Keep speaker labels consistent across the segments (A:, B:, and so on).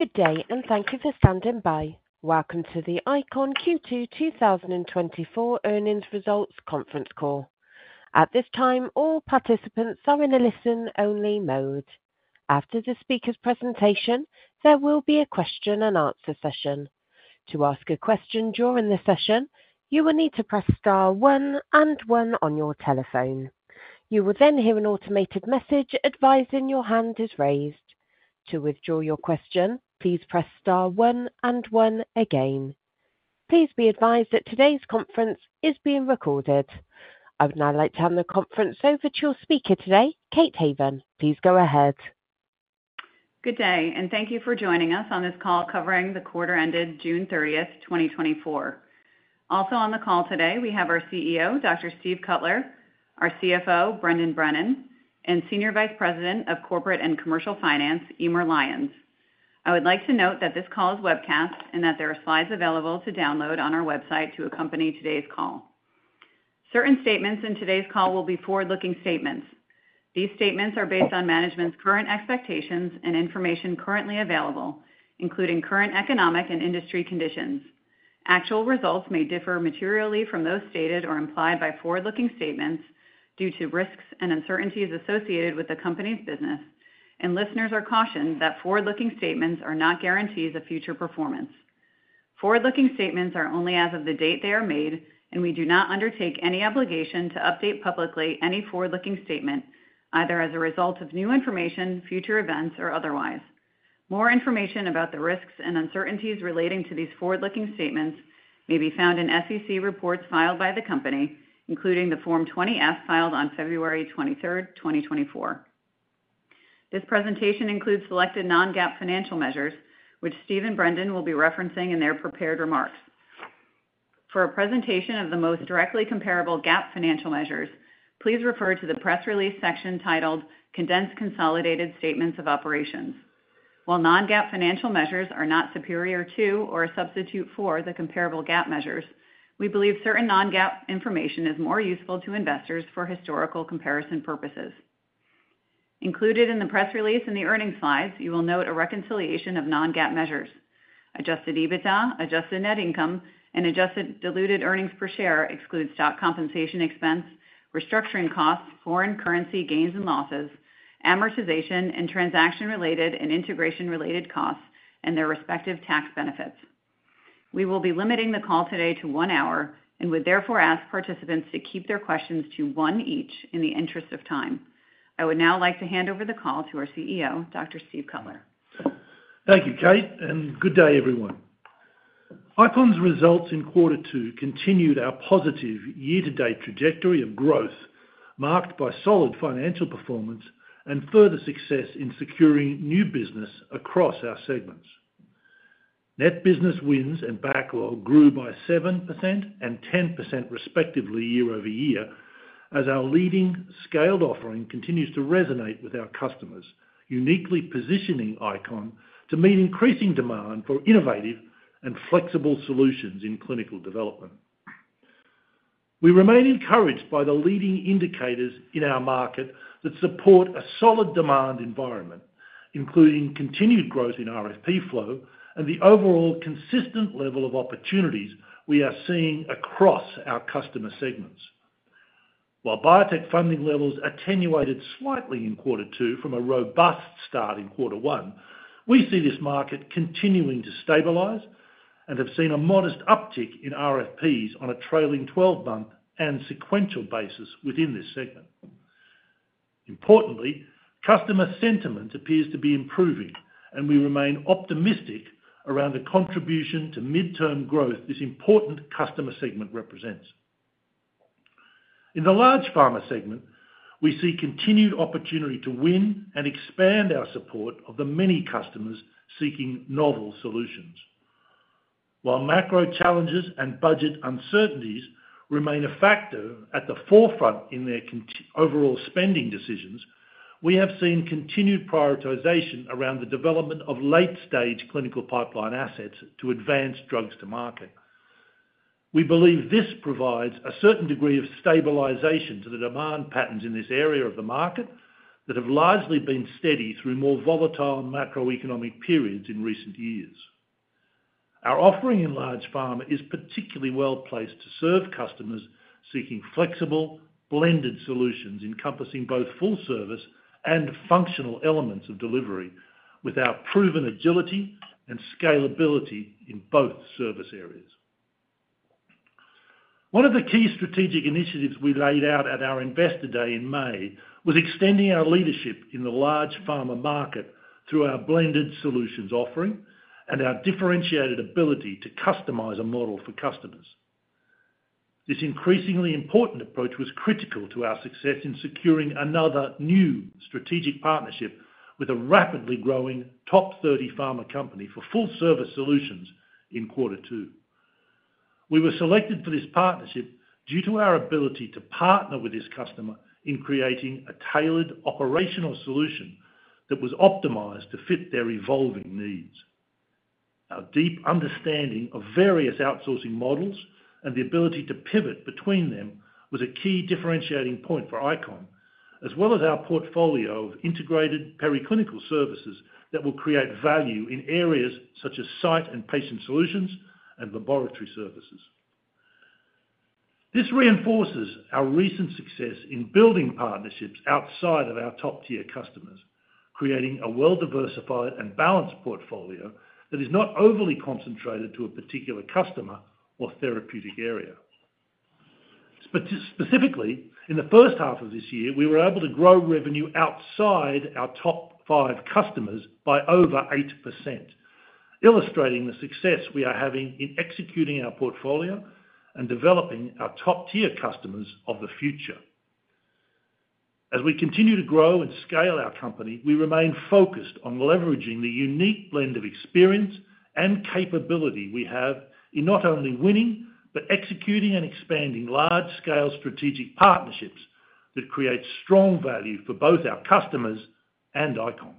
A: Good day, and thank you for standing by. Welcome to the ICON Q2 2024 Earnings Results Conference Call. At this time, all participants are in a listen-only mode. After the speaker's presentation, there will be a question-and-answer session. To ask a question during the session, you will need to press star one and one on your telephone. You will then hear an automated message advising your hand is raised. To withdraw your question, please press star one and one again. Please be advised that today's conference is being recorded. I would now like to turn the conference over to your speaker today, Kate Haven. Please go ahead.
B: Good day, and thank you for joining us on this call covering the quarter ended June 30, 2024. Also on the call today, we have our CEO, Dr. Steve Cutler, our CFO, Brendan Brennan, and Senior Vice President of Corporate and Commercial Finance, Emer Lyons. I would like to note that this call is webcasted and that there are slides available to download on our website to accompany today's call. Certain statements in today's call will be forward-looking statements. These statements are based on management's current expectations and information currently available, including current economic and industry conditions. Actual results may differ materially from those stated or implied by forward-looking statements due to risks and uncertainties associated with the company's business, and listeners are cautioned that forward-looking statements are not guarantees of future performance. Forward-looking statements are only as of the date they are made, and we do not undertake any obligation to update publicly any forward-looking statement, either as a result of new information, future events, or otherwise. More information about the risks and uncertainties relating to these forward-looking statements may be found in SEC reports filed by the company, including the Form 20-F filed on February 23rd, 2024. This presentation includes selected non-GAAP financial measures, which Steve and Brendan will be referencing in their prepared remarks. For a presentation of the most directly comparable GAAP financial measures, please refer to the press release section titled Condensed Consolidated Statements of Operations. While non-GAAP financial measures are not superior to or a substitute for the comparable GAAP measures, we believe certain non-GAAP information is more useful to investors for historical comparison purposes. Included in the press release and the earnings slides, you will note a reconciliation of non-GAAP measures. Adjusted EBITDA, adjusted net income, and adjusted diluted earnings per share excludes stock compensation expense, restructuring costs, foreign currency gains and losses, amortization, and transaction-related and integration-related costs and their respective tax benefits. We will be limiting the call today to one hour and would therefore ask participants to keep their questions to one each in the interest of time. I would now like to hand over the call to our CEO, Dr. Steve Cutler.
C: Thank you, Kate, and good day, everyone. ICON's results in quarter two continued our positive year-to-date trajectory of growth, marked by solid financial performance and further success in securing new business across our segments. Net business wins and backlog grew by 7% and 10%, respectively, year-over-year, as our leading scaled offering continues to resonate with our customers, uniquely positioning ICON to meet increasing demand for innovative and flexible solutions in clinical development. We remain encouraged by the leading indicators in our market that support a solid demand environment, including continued growth in RFP flow and the overall consistent level of opportunities we are seeing across our customer segments. While biotech funding levels attenuated slightly in quarter two from a robust start in quarter one, we see this market continuing to stabilize and have seen a modest uptick in RFPs on a trailing twelve-month and sequential basis within this segment. Importantly, customer sentiment appears to be improving, and we remain optimistic around the contribution to midterm growth this important customer segment represents. In the large pharma segment, we see continued opportunity to win and expand our support of the many customers seeking novel solutions. While macro challenges and budget uncertainties remain a factor at the forefront in their overall spending decisions, we have seen continued prioritization around the development of late-stage clinical pipeline assets to advance drugs to market. We believe this provides a certain degree of stabilization to the demand patterns in this area of the market that have largely been steady through more volatile macroeconomic periods in recent years. Our offering in large pharma is particularly well-placed to serve customers seeking flexible, blended solutions, encompassing both full service and functional elements of delivery, with our proven agility and scalability in both service areas. One of the key strategic initiatives we laid out at our Investor Day in May was extending our leadership in the large pharma market through our blended solutions offering and our differentiated ability to customize a model for customers. This increasingly important approach was critical to our success in securing another new strategic partnership with a rapidly growing top 30 pharma company for full-service solutions in quarter two. We were selected for this partnership due to our ability to partner with this customer in creating a tailored operational solution that was optimized to fit their evolving needs. Our deep understanding of various outsourcing models and the ability to pivot between them was a key differentiating point for ICON, as well as our portfolio of integrated clinical services that will create value in areas such as site and patient solutions and laboratory services. This reinforces our recent success in building partnerships outside of our top-tier customers, creating a well-diversified and balanced portfolio that is not overly concentrated to a particular customer or therapeutic area. Specifically, in the first half of this year, we were able to grow revenue outside our top five customers by over 8%, illustrating the success we are having in executing our portfolio and developing our top-tier customers of the future. As we continue to grow and scale our company, we remain focused on leveraging the unique blend of experience and capability we have in not only winning, but executing and expanding large-scale strategic partnerships that create strong value for both our customers and Icon.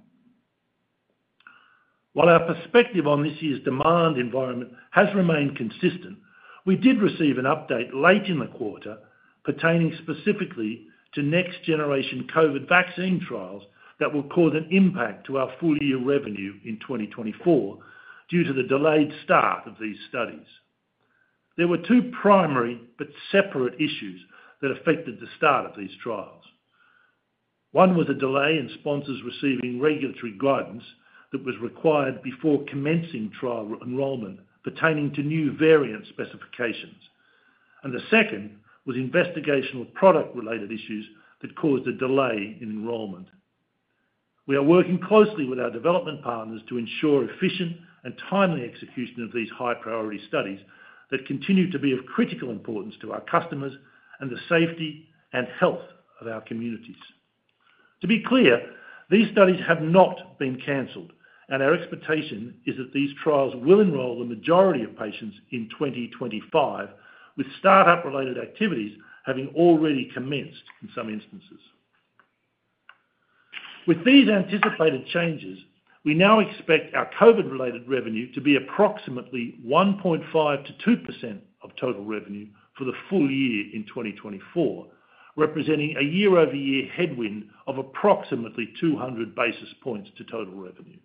C: While our perspective on this year's demand environment has remained consistent, we did receive an update late in the quarter pertaining specifically to next-generation COVID vaccine trials that will cause an impact to our full-year revenue in 2024 due to the delayed start of these studies. There were two primary but separate issues that affected the start of these trials. One was a delay in sponsors receiving regulatory guidance that was required before commencing trial enrollment pertaining to new variant specifications. The second was investigational product-related issues that caused a delay in enrollment. We are working closely with our development partners to ensure efficient and timely execution of these high-priority studies that continue to be of critical importance to our customers and the safety and health of our communities. To be clear, these studies have not been canceled, and our expectation is that these trials will enroll the majority of patients in 2025, with startup-related activities having already commenced in some instances. With these anticipated changes, we now expect our COVID-related revenue to be approximately 1.5%-2% of total revenue for the full year in 2024, representing a year-over-year headwind of approximately 200 basis points to total revenue.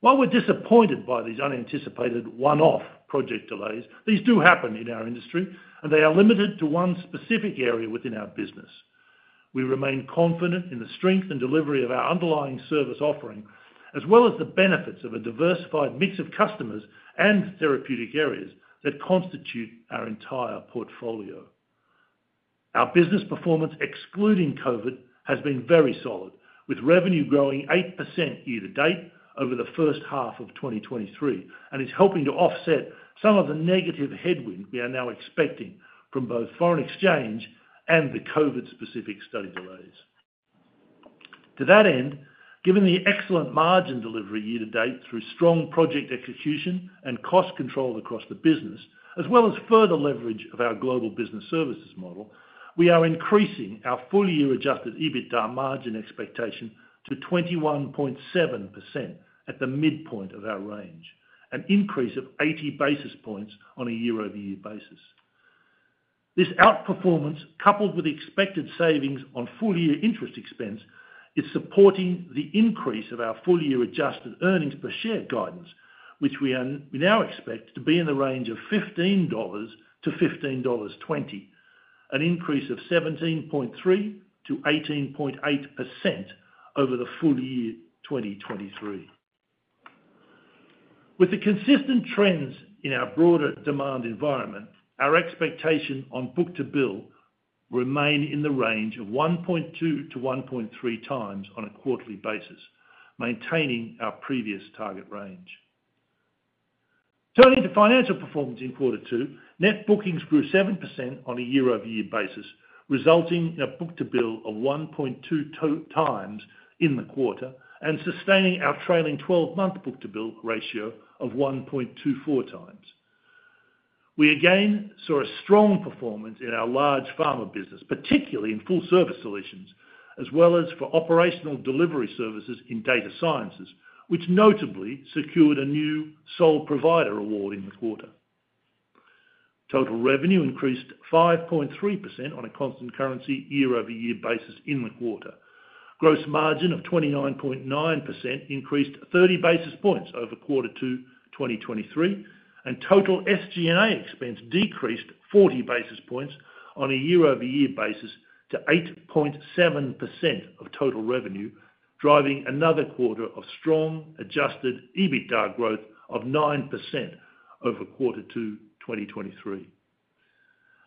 C: While we're disappointed by these unanticipated one-off project delays, these do happen in our industry, and they are limited to one specific area within our business. We remain confident in the strength and delivery of our underlying service offering, as well as the benefits of a diversified mix of customers and therapeutic areas that constitute our entire portfolio. Our business performance, excluding COVID, has been very solid, with revenue growing 8% year to date over the first half of 2023, and is helping to offset some of the negative headwind we are now expecting from both foreign exchange and the COVID-specific study delays. To that end, given the excellent margin delivery year to date through strong project execution and cost control across the business, as well as further leverage of our Global Business Services model, we are increasing our full-year Adjusted EBITDA margin expectation to 21.7% at the midpoint of our range, an increase of 80 basis points on a year-over-year basis. This outperformance, coupled with the expected savings on full-year interest expense, is supporting the increase of our full-year adjusted earnings per share guidance, which we now expect to be in the range of $15-$15.20, an increase of 17.3%-18.8% over the full year 2023. With the consistent trends in our broader demand environment, our expectation on book-to-bill remain in the range of 1.2-1.3x on a quarterly basis, maintaining our previous target range. Turning to financial performance in quarter two, net bookings grew 7% on a year-over-year basis, resulting in a book-to-bill of 1.2x in the quarter, and sustaining our trailing twelve-month book-to-bill ratio of 1.24x. We again saw a strong performance in our large pharma business, particularly in full service solutions, as well as for operational delivery services in data sciences, which notably secured a new sole provider award in the quarter. Total revenue increased 5.3% on a constant currency, year-over-year basis in the quarter. Gross margin of 29.9% increased 30 basis points over quarter two 2023, and total SG&A expense decreased 40 basis points on a year-over-year basis to 8.7% of total revenue, driving another quarter of strong adjusted EBITDA growth of 9% over quarter two 2023.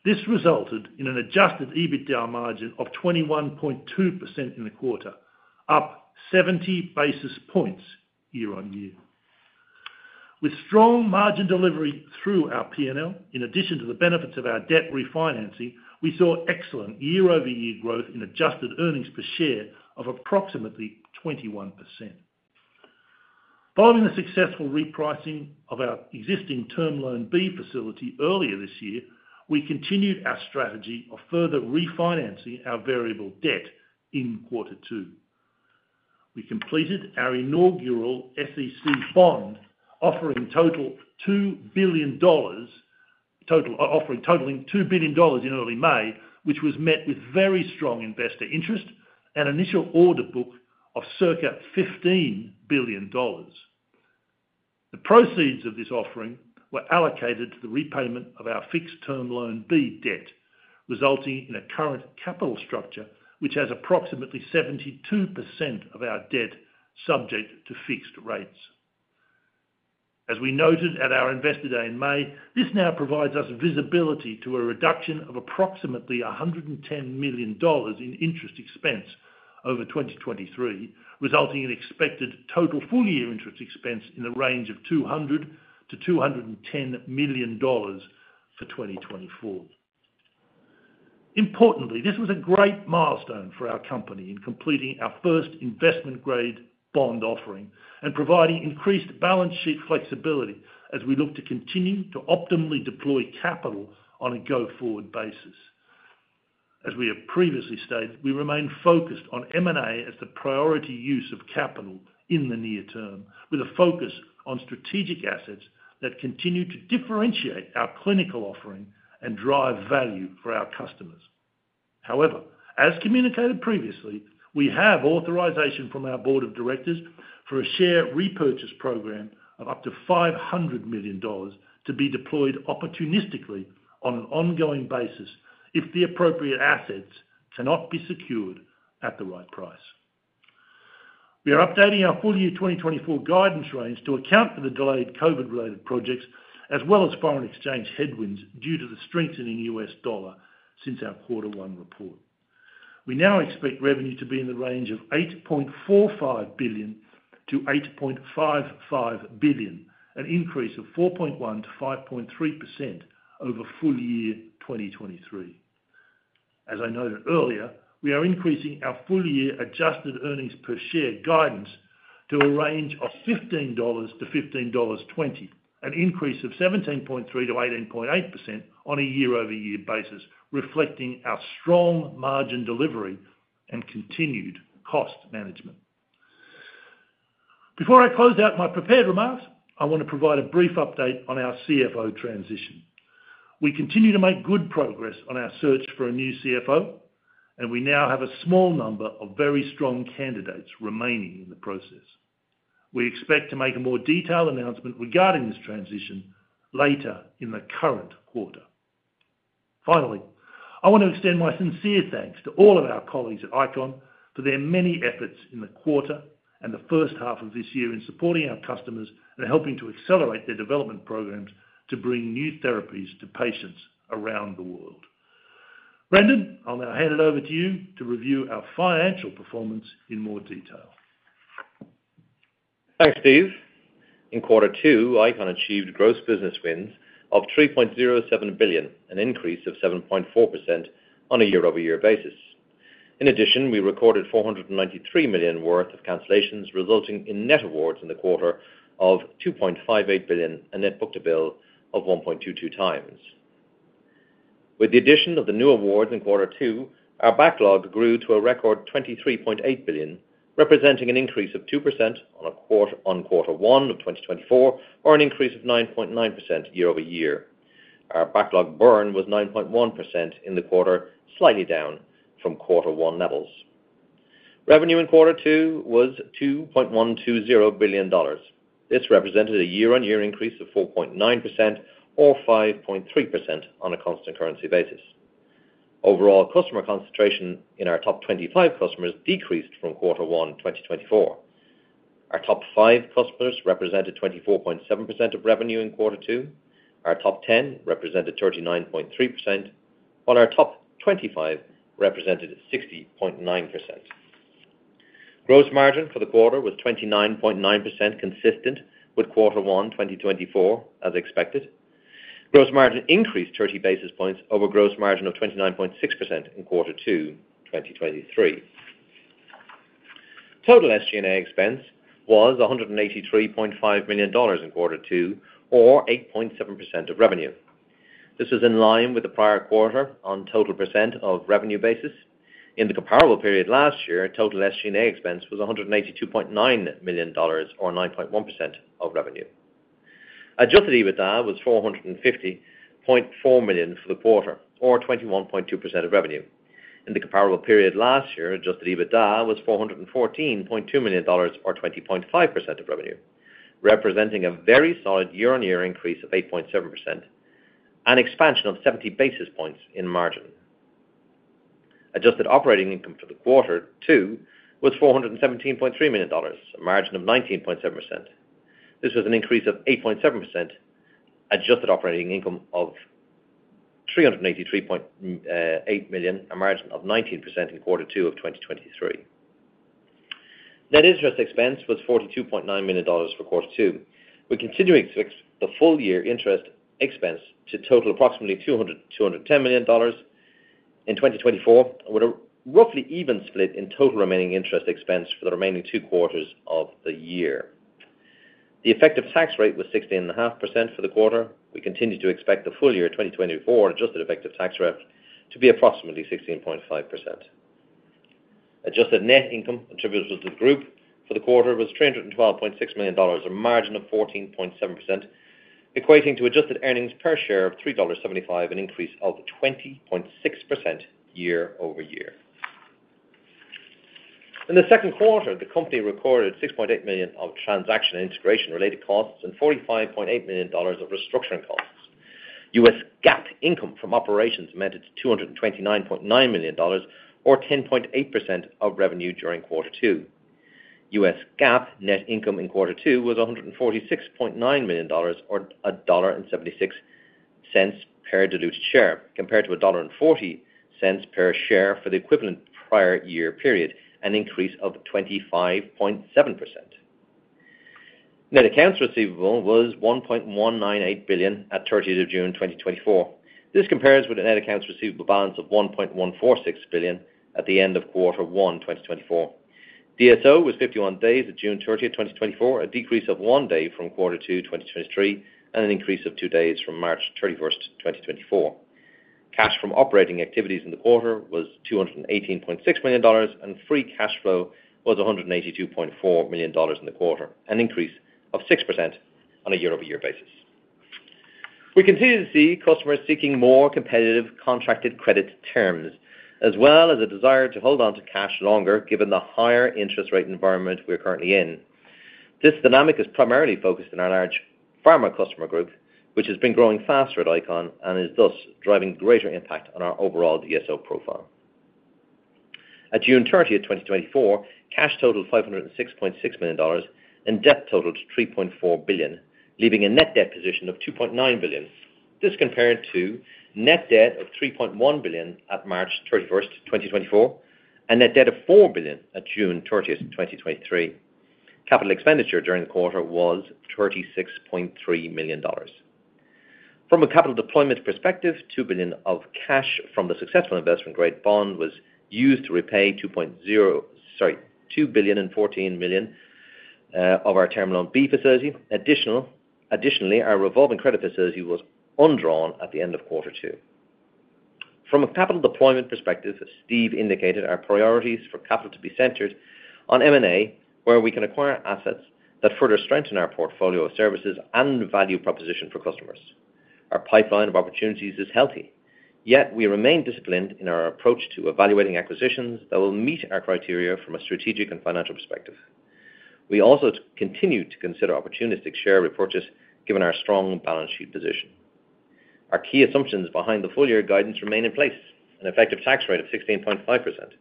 C: This resulted in an adjusted EBITDA margin of 21.2% in the quarter, up 70 basis points year-on-year. With strong margin delivery through our P&L, in addition to the benefits of our debt refinancing, we saw excellent year-over-year growth in adjusted earnings per share of approximately 21%. Following the successful repricing of our existing Term Loan B facility earlier this year, we continued our strategy of further refinancing our variable debt in quarter two. We completed our inaugural SEC bond offering totaling $2 billion in early May, which was met with very strong investor interest and initial order book of circa $15 billion. The proceeds of this offering were allocated to the repayment of our fixed Term Loan B debt, resulting in a current capital structure, which has approximately 72% of our debt subject to fixed rates. As we noted at our Investor Day in May, this now provides us visibility to a reduction of approximately $110 million in interest expense over 2023, resulting in expected total full-year interest expense in the range of $200 million-$210 million for 2024. Importantly, this was a great milestone for our company in completing our first investment-grade bond offering and providing increased balance sheet flexibility as we look to continue to optimally deploy capital on a go-forward basis. As we have previously stated, we remain focused on M&A as the priority use of capital in the near term, with a focus on strategic assets that continue to differentiate our clinical offering and drive value for our customers. However, as communicated previously, we have authorization from our board of directors for a share repurchase program of up to $500 million to be deployed opportunistically on an ongoing basis if the appropriate assets cannot be secured at the right price. We are updating our full-year 2024 guidance range to account for the delayed COVID-related projects, as well as foreign exchange headwinds, due to the strengthening US dollar since our quarter one report. We now expect revenue to be in the range of $8.45 billion-$8.55 billion, an increase of 4.1%-5.3% over full year 2023. As I noted earlier, we are increasing our full-year adjusted earnings per share guidance to a range of $15-$15.20, an increase of 17.3%-18.8% on a year-over-year basis, reflecting our strong margin delivery and continued cost management. Before I close out my prepared remarks, I want to provide a brief update on our CFO transition. We continue to make good progress on our search for a new CFO, and we now have a small number of very strong candidates remaining in the process. We expect to make a more detailed announcement regarding this transition later in the current quarter. Finally, I want to extend my sincere thanks to all of our colleagues at ICON for their many efforts in the quarter and the first half of this year in supporting our customers and helping to accelerate their development programs to bring new therapies to patients around the world. Brendan, I'll now hand it over to you to review our financial performance in more detail.
D: Thanks, Steve. In quarter two, ICON achieved gross business wins of $3.07 billion, an increase of 7.4% on a year-over-year basis. In addition, we recorded $493 million worth of cancellations, resulting in net awards in the quarter of $2.58 billion and net book-to-bill of 1.22 times. With the addition of the new awards in quarter two, our backlog grew to a record $23.8 billion, representing an increase of 2% on quarter one of 2024, or an increase of 9.9% year-over-year. Our backlog burn was 9.1% in the quarter, slightly down from quarter one levels. Revenue in quarter two was $2.120 billion. This represented a year-on-year increase of 4.9% or 5.3% on a constant currency basis. Overall, customer concentration in our top 25 customers decreased from quarter one 2024. Our top 5 customers represented 24.7% of revenue in quarter two. Our top 10 represented 39.3%, while our top 25 represented 60.9%. Gross margin for the quarter was 29.9%, consistent with quarter one 2024, as expected. Gross margin increased 30 basis points over gross margin of 29.6% in quarter two 2023. Total SG&A expense was $183.5 million in quarter two, or 8.7% of revenue. This is in line with the prior quarter on total percent of revenue basis. In the comparable period last year, total SG&A expense was $182.9 million, or 9.1% of revenue. Adjusted EBITDA was $450.4 million for the quarter, or 21.2% of revenue. In the comparable period last year, adjusted EBITDA was $414.2 million, or 20.5% of revenue, representing a very solid year-on-year increase of 8.7% and expansion of 70 basis points in margin. Adjusted operating income for the quarter two was $417.3 million, a margin of 19.7%. This was an increase of 8.7%, adjusted operating income of $383.8 million, a margin of 19% in quarter two of 2023. Net interest expense was $42.9 million for quarter two. We're continuing to fix the full-year interest expense to total approximately $200 million-$210 million in 2024, with a roughly even split in total remaining interest expense for the remaining two quarters of the year. The effective tax rate was 16.5% for the quarter. We continue to expect the full year 2024 adjusted effective tax rate to be approximately 16.5%. Adjusted net income attributable to the group for the quarter was $312.6 million, a margin of 14.7%, equating to adjusted earnings per share of $3.75, an increase of 20.6% year-over-year. In the second quarter, the company recorded $6.8 million of transaction integration-related costs and $45.8 million of restructuring costs. US GAAP income from operations amounted to $229.9 million or 10.8% of revenue during quarter two. US GAAP net income in quarter two was $146.9 million or $1.76 per diluted share, compared to $1.40 per share for the equivalent prior year period, an increase of 25.7%. Net accounts receivable was $1.198 billion at thirtieth of June 2024. This compares with a net accounts receivable balance of $1.146 billion at the end of quarter one 2024. DSO was 51 days at June 30, 2024, a decrease of 1 day from quarter two, 2023, and an increase of 2 days from March 31, 2024. Cash from operating activities in the quarter was $218.6 million, and free cash flow was $182.4 million in the quarter, an increase of 6% on a year-over-year basis. We continue to see customers seeking more competitive contracted credit terms, as well as a desire to hold on to cash longer, given the higher interest rate environment we're currently in. This dynamic is primarily focused on our large pharma customer group, which has been growing faster at ICON and is thus driving greater impact on our overall DSO profile. At June 30, 2024, cash totaled $506.6 million, and debt totaled $3.4 billion, leaving a net debt position of $2.9 billion. This compared to net debt of $3.1 billion at March 31, 2024, and net debt of $4 billion at June 30, 2023. Capital expenditure during the quarter was $36.3 million. From a capital deployment perspective, $2 billion of cash from the successful investment-grade bond was used to repay sorry, $2.014 billion of our Term Loan B facility. Additionally, our revolving credit facility was undrawn at the end of quarter two. From a capital deployment perspective, as Steve indicated, our priorities for capital to be centered on M&A, where we can acquire assets that further strengthen our portfolio of services and value proposition for customers. Our pipeline of opportunities is healthy, yet we remain disciplined in our approach to evaluating acquisitions that will meet our criteria from a strategic and financial perspective. We also continue to consider opportunistic share repurchase, given our strong balance sheet position. Our key assumptions behind the full-year guidance remain in place: an effective tax rate of 16.5%,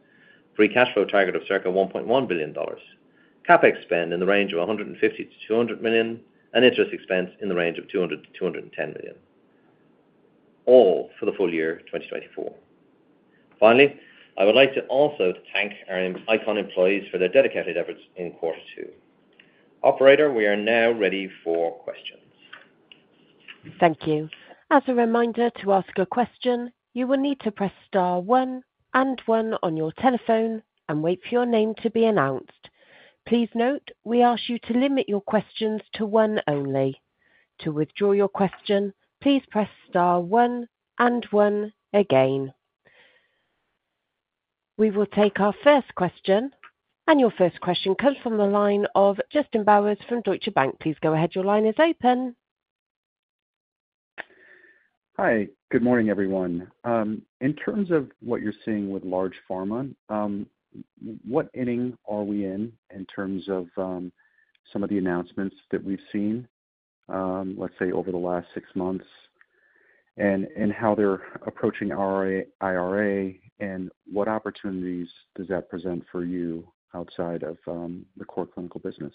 D: free cash flow target of circa $1.1 billion, CapEx spend in the range of $150 million-$200 million, and interest expense in the range of $200 million-$210 million, all for the full year 2024. Finally, I would like to also thank our ICON employees for their dedicated efforts in quarter two. Operator, we are now ready for questions.
A: Thank you. As a reminder, to ask a question, you will need to press star one and one on your telephone and wait for your name to be announced. Please note, we ask you to limit your questions to one only. To withdraw your question, please press star one and one again. We will take our first question, and your first question comes from the line of Justin Bowers from Deutsche Bank. Please go ahead. Your line is open.
E: Hi. Good morning, everyone. In terms of what you're seeing with large pharma, what inning are we in, in terms of some of the announcements that we've seen, let's say, over the last six months, and how they're approaching IRA, and what opportunities does that present for you outside of the core clinical business?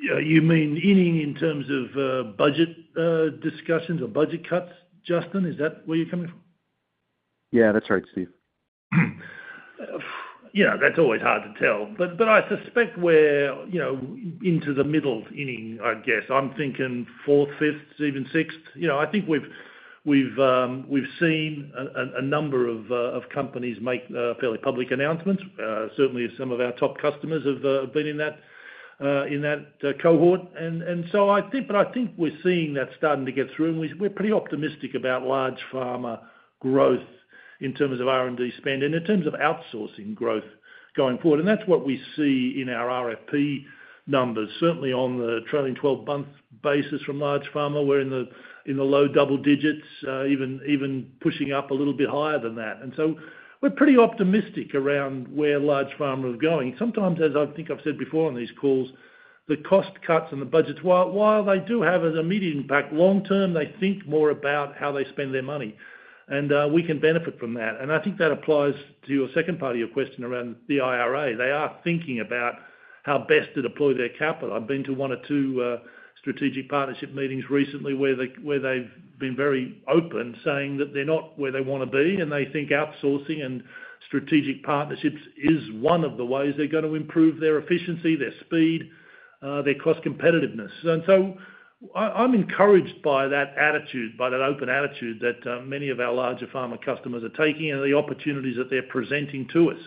C: Yeah, you mean in terms of budget discussions or budget cuts, Justin? Is that where you're coming from?
E: Yeah, that's right, Steve.
C: You know, that's always hard to tell. But I suspect we're, you know, into the middle inning, I guess. I'm thinking fourth, fifth, even sixth. You know, I think we've seen a number of companies make fairly public announcements. Certainly some of our top customers have been in that cohort. And so I think, but I think we're seeing that starting to get through, and we're pretty optimistic about large pharma growth in terms of R&D spend and in terms of outsourcing growth going forward. And that's what we see in our RFP numbers. Certainly on the trailing twelve-month basis from large pharma, we're in the low double digits, even pushing up a little bit higher than that. And so we're pretty optimistic around where large pharma is going. Sometimes, as I think I've said before on these calls, the cost cuts and the budgets, while they do have an immediate impact, long term, they think more about how they spend their money, and we can benefit from that. And I think that applies to your second part of your question around the IRA. They are thinking about how best to deploy their capital. I've been to one or two strategic partnership meetings recently where they've been very open, saying that they're not where they want to be, and they think outsourcing and strategic partnerships is one of the ways they're going to improve their efficiency, their speed, their cost competitiveness. And so- I'm encouraged by that attitude, by that open attitude that many of our larger pharma customers are taking and the opportunities that they're presenting to us,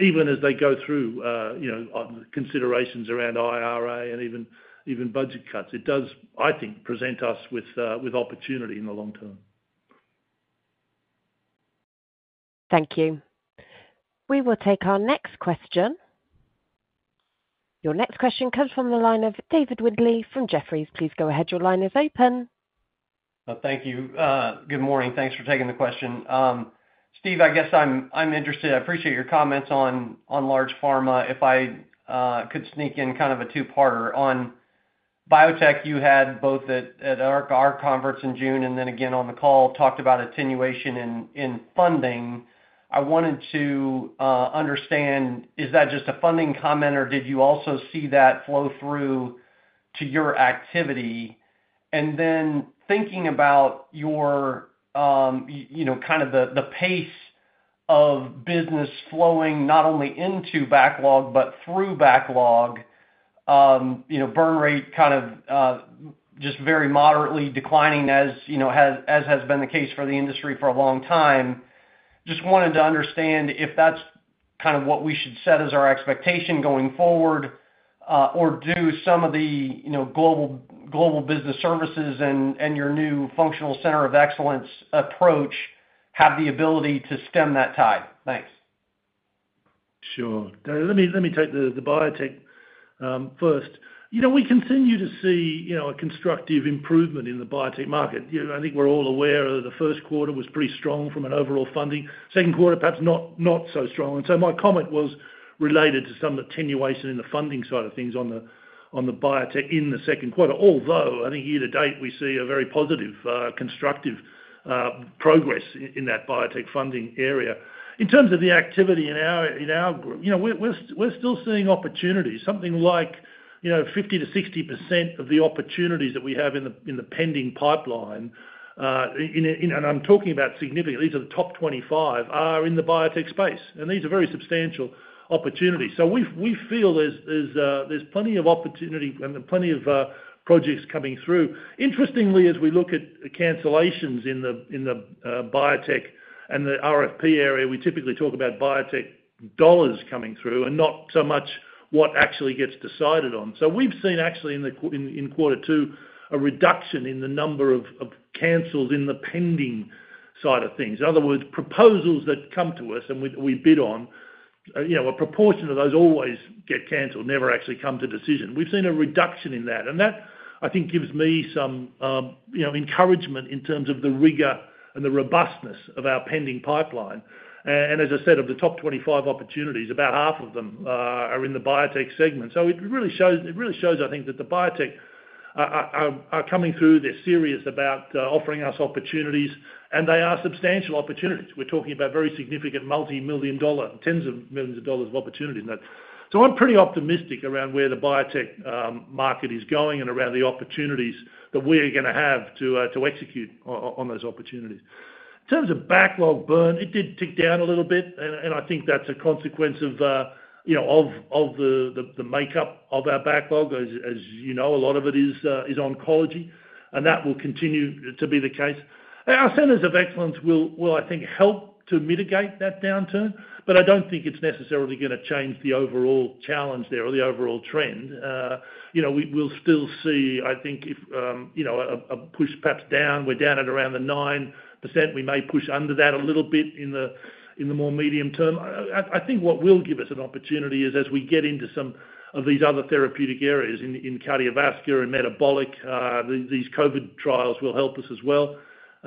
C: even as they go through you know considerations around IRA and even even budget cuts. It does, I think, present us with with opportunity in the long term.
A: Thank you. We will take our next question. Your next question comes from the line of David Windley from Jefferies. Please go ahead. Your line is open.
F: Thank you. Good morning. Thanks for taking the question. Steve, I guess I'm interested. I appreciate your comments on large pharma. If I could sneak in kind of a two-parter. On biotech, you had both at our conference in June, and then again, on the call, talked about attenuation in funding. I wanted to understand, is that just a funding comment, or did you also see that flow through to your activity? And then thinking about your you know, kind of the pace of business flowing not only into backlog, but through backlog, you know, burn rate, kind of just very moderately declining, as you know, as has been the case for the industry for a long time. Just wanted to understand if that's kind of what we should set as our expectation going forward, or do some of the, you know, global business services and your new functional Center of Excellence approach have the ability to stem that tide? Thanks.
C: Sure. Let me take the biotech first. You know, we continue to see, you know, a constructive improvement in the biotech market. You know, I think we're all aware that the first quarter was pretty strong from an overall funding. Second quarter, perhaps not so strong. And so my comment was related to some attenuation in the funding side of things on the biotech in the second quarter. Although, I think year to date, we see a very positive, constructive progress in that biotech funding area. In terms of the activity in our group, you know, we're still seeing opportunities. Something like, you know, 50%-60% of the opportunities that we have in the pending pipeline, I'm talking about significantly, these are the top 25, are in the biotech space, and these are very substantial opportunities. So we feel there's plenty of opportunity and plenty of projects coming through. Interestingly, as we look at cancellations in the biotech and the RFP area, we typically talk about biotech dollars coming through and not so much what actually gets decided on. So we've seen actually in quarter two, a reduction in the number of cancels in the pending side of things. In other words, proposals that come to us, and we bid on, you know, a proportion of those always get canceled, never actually come to decision. We've seen a reduction in that, and that, I think, gives me some, you know, encouragement in terms of the rigor and the robustness of our pending pipeline. And as I said, of the top 25 opportunities, about half of them are in the biotech segment. So it really shows, it really shows, I think, that the biotech are coming through. They're serious about offering us opportunities, and they are substantial opportunities. We're talking about very significant $multi-million-dollar, $tens of millions of dollars of opportunities in that. So I'm pretty optimistic around where the biotech market is going and around the opportunities that we're gonna have to execute on those opportunities. In terms of backlog burn, it did tick down a little bit, and I think that's a consequence of, you know, the makeup of our backlog. As you know, a lot of it is oncology, and that will continue to be the case. Our Centers of Excellence will, I think, help to mitigate that downturn, but I don't think it's necessarily gonna change the overall challenge there or the overall trend. You know, we'll still see, I think, a push perhaps down. We're down at around 9%. We may push under that a little bit in the more medium term. I think what will give us an opportunity is as we get into some of these other therapeutic areas in cardiovascular and metabolic, these COVID trials will help us as well.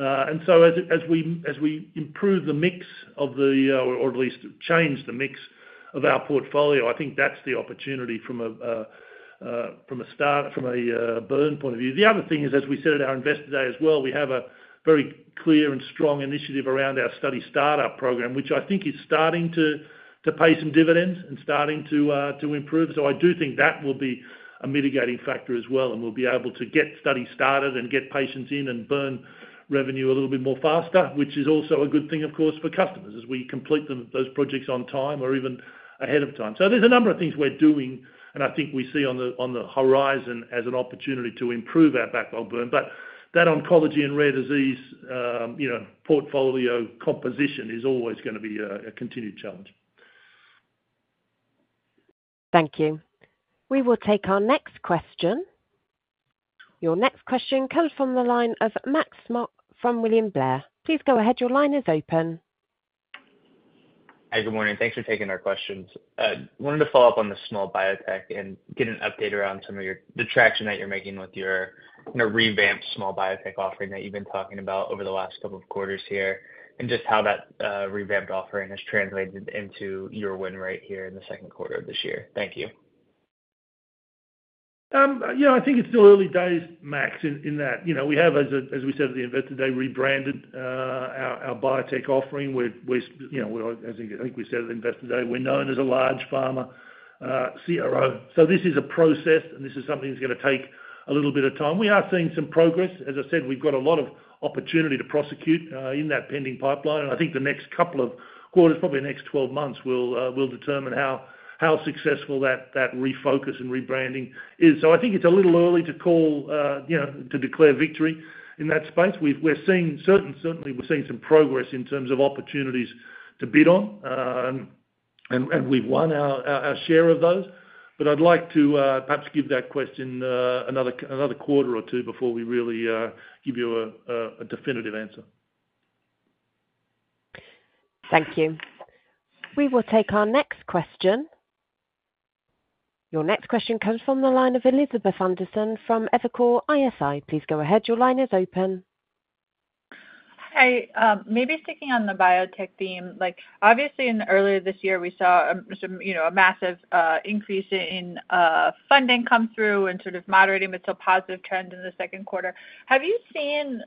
C: And so as we improve the mix, or at least change the mix of our portfolio, I think that's the opportunity from a startup burn point of view. The other thing is, as we said at our Investor Day as well, we have a very clear and strong initiative around our study startup program, which I think is starting to pay some dividends and starting to improve. So I do think that will be a mitigating factor as well, and we'll be able to get studies started and get patients in and burn revenue a little bit more faster, which is also a good thing, of course, for customers, as we complete them, those projects on time or even ahead of time. So there's a number of things we're doing, and I think we see on the horizon as an opportunity to improve our backlog burn. But that oncology and rare disease, you know, portfolio composition is always gonna be a continued challenge.
A: Thank you. We will take our next question. Your next question comes from the line of Max Smock from William Blair. Please go ahead. Your line is open.
G: Hi, good morning. Thanks for taking our questions. Wanted to follow up on the small biotech and get an update around some of your... the traction that you're making with your, you know, revamped small biotech offering that you've been talking about over the last couple of quarters here, and just how that revamped offering has translated into your win rate here in the second quarter of this year. Thank you.
C: You know, I think it's still early days, Max, in that. You know, we have, as we said at the Investor Day, rebranded our biotech offering. We're, you know, we're, as I think we said at Investor Day, we're known as a large pharma CRO. So this is a process, and this is something that's gonna take a little bit of time. We are seeing some progress. As I said, we've got a lot of opportunity to prosecute in that pending pipeline. And I think the next couple of quarters, probably the next 12 months, will determine how successful that refocus and rebranding is. So I think it's a little early to call, you know, to declare victory in that space. We're certainly seeing some progress in terms of opportunities to bid on, and we've won our share of those. But I'd like to perhaps give that question another quarter or two before we really give you a definitive answer.
A: Thank you. We will take our next question. Your next question comes from the line of Elizabeth Anderson from Evercore ISI. Please go ahead. Your line is open.
H: Hi. Maybe sticking on the biotech theme, like, obviously, earlier this year, we saw some, you know, a massive increase in funding come through and sort of moderating, but still positive trends in the second quarter. Have you seen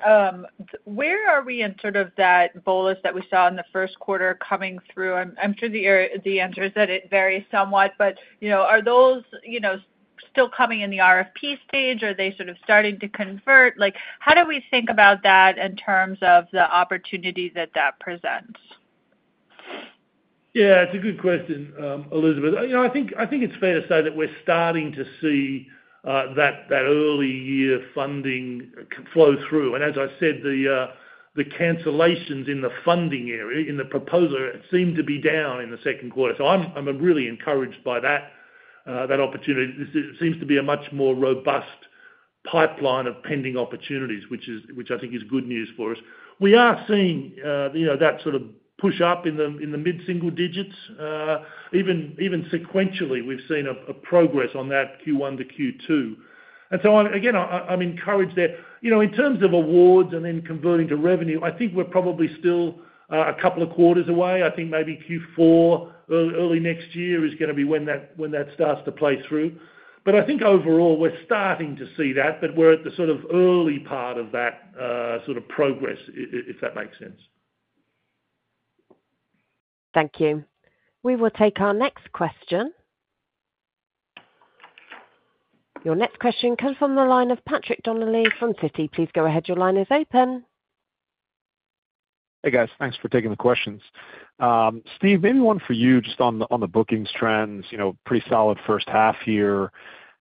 H: where are we in sort of that bolus that we saw in the first quarter coming through? I'm sure the answer is that it varies somewhat, but, you know, are those, you know, still coming in the RFP stage, or are they sort of starting to convert? Like, how do we think about that in terms of the opportunity that that presents?
C: Yeah, it's a good question, Elizabeth. You know, I think, I think it's fair to say that we're starting to see that early year funding flow through. And as I said, the cancellations in the funding area, in the proposal, seem to be down in the second quarter. So I'm, I'm, really encouraged by that opportunity. This seems to be a much more robust pipeline of pending opportunities, which I think is good news for us. We are seeing, you know, that sort of push up in the mid-single digits. Even, even sequentially, we've seen a progress on that Q1 to Q2. And so I'm, again, I, I, I'm encouraged there. You know, in terms of awards and then converting to revenue, I think we're probably still a couple of quarters away. I think maybe Q4, early next year is gonna be when that, when that starts to play through. But I think overall, we're starting to see that, but we're at the sort of early part of that, sort of progress, if that makes sense.
A: Thank you. We will take our next question. Your next question comes from the line of Patrick Donnelly from Citi. Please go ahead. Your line is open.
I: Hey, guys. Thanks for taking the questions. Steve, maybe one for you, just on the bookings trends, you know, pretty solid first half year.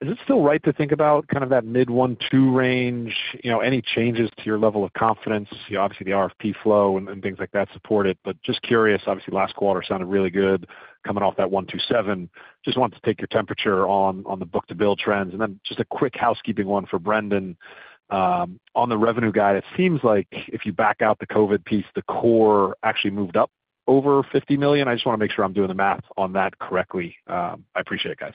I: Is it still right to think about kind of that mid-1.2 range? You know, any changes to your level of confidence? You know, obviously, the RFP flow and things like that support it, but just curious. Obviously, last quarter sounded really good coming off that 1.07. Just wanted to take your temperature on the book-to-bill trends. Then just a quick housekeeping one for Brendan. On the revenue guide, it seems like if you back out the COVID piece, the core actually moved up over $50 million. I just wanna make sure I'm doing the math on that correctly. I appreciate it, guys.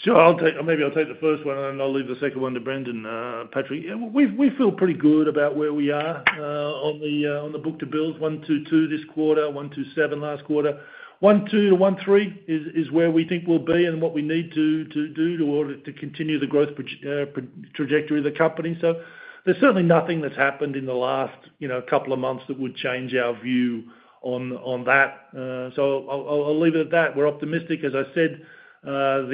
C: Sure. I'll take. Maybe I'll take the first one, and then I'll leave the second one to Brendan, Patrick. Yeah, we, we feel pretty good about where we are, on the, on the book-to-bill, 1.2 this quarter, 1.7 last quarter. 1.2 to 1.3 is, is where we think we'll be and what we need to, to do in order to continue the growth trajectory of the company. So there's certainly nothing that's happened in the last, you know, couple of months that would change our view on, on that. So I'll leave it at that. We're optimistic. As I said, the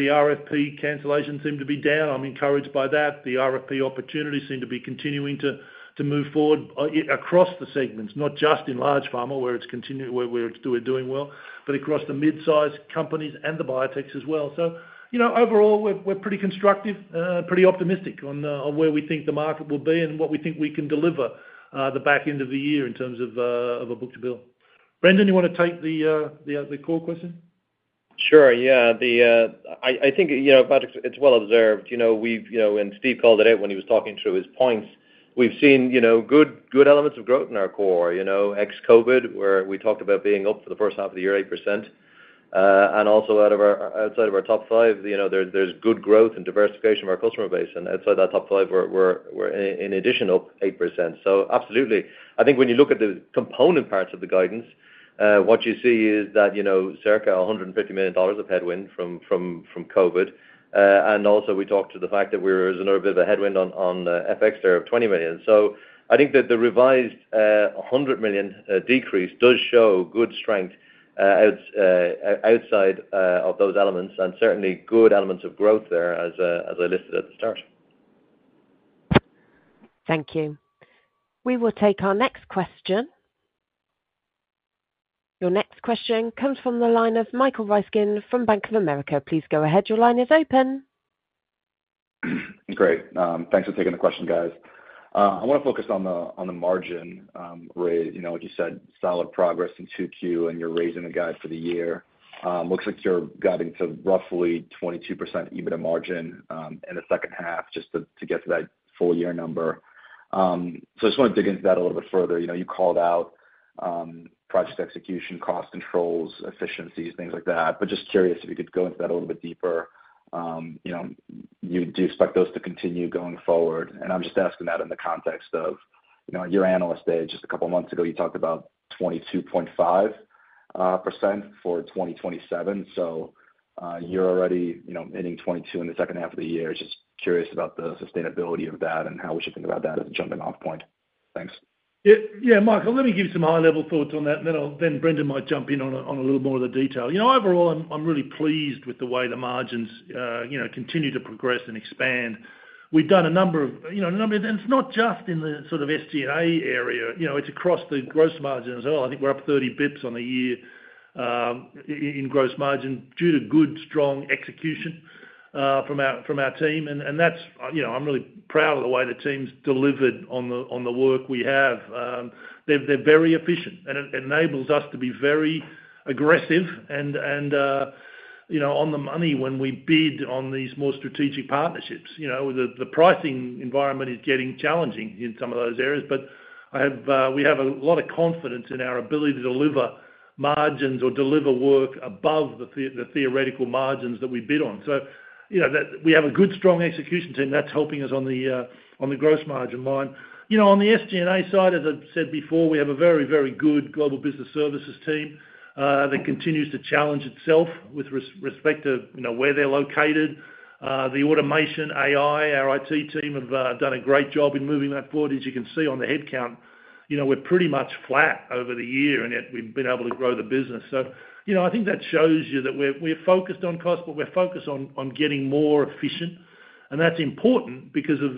C: RFP cancellations seem to be down. I'm encouraged by that. The RFP opportunities seem to be continuing to move forward across the segments, not just in large pharma, where it's doing well, but across the mid-sized companies and the biotechs as well. So, you know, overall, we're pretty constructive, pretty optimistic on where we think the market will be and what we think we can deliver, the back end of the year in terms of a book-to-bill. Brendan, you wanna take the core question?
D: Sure. Yeah, I think, you know, Patrick, it's well observed. You know, we've, you know, and Steve called it out when he was talking through his points. We've seen, you know, good elements of growth in our core, you know, ex-COVID, where we talked about being up for the first half of the year, 8%. And also, outside of our top five, you know, there's good growth and diversification of our customer base, and outside that top five, we're in addition, up 8%. So absolutely. I think when you look at the component parts of the guidance, what you see is that, you know, circa $150 million of headwind from COVID. And also, we talked to the fact that we're. There's another bit of a headwind on FX there of $20 million. So I think that the revised $100 million decrease does show good strength, as outside of those elements, and certainly good elements of growth there, as I listed at the start.
A: Thank you. We will take our next question. Your next question comes from the line of Michael Ryskin from Bank of America. Please go ahead. Your line is open.
J: Great. Thanks for taking the question, guys. I wanna focus on the margin rate. You know, like you said, solid progress in Q2, and you're raising the guide for the year. Looks like you're guiding to roughly 22% EBITDA margin in the second half, just to get to that full year number. So I just wanna dig into that a little bit further. You know, you called out project execution, cost controls, efficiencies, things like that. But just curious if you could go into that a little bit deeper. You know, do you expect those to continue going forward? And I'm just asking that in the context of, you know, your Analyst Day, just a couple of months ago, you talked about 22.5% for 2027. You're already, you know, hitting 22 in the second half of the year. Just curious about the sustainability of that and how we should think about that as a jumping off point. Thanks.
C: Yeah. Yeah, Michael, let me give you some high-level thoughts on that, and then I'll. Then Brendan might jump in on a little more of the detail. You know, overall, I'm really pleased with the way the margins, you know, continue to progress and expand. We've done a number of, you know, a number. And it's not just in the sort of SG&A area, you know, it's across the gross margin as well. I think we're up 30 basis points on the year in gross margin due to good, strong execution from our team, and that's, you know, I'm really proud of the way the team's delivered on the work we have. They're very efficient, and it enables us to be very aggressive and. You know, on the money when we bid on these more strategic partnerships. You know, the pricing environment is getting challenging in some of those areas, but I have, we have a lot of confidence in our ability to deliver margins or deliver work above the theoretical margins that we bid on. So you know, that we have a good, strong execution team that's helping us on the gross margin line. You know, on the SG&A side, as I've said before, we have a very, very good global business services team that continues to challenge itself with respect to, you know, where they're located. The automation, AI, our IT team have done a great job in moving that forward. As you can see on the headcount, you know, we're pretty much flat over the year, and yet we've been able to grow the business. So, you know, I think that shows you that we're focused on cost, but we're focused on getting more efficient. And that's important because of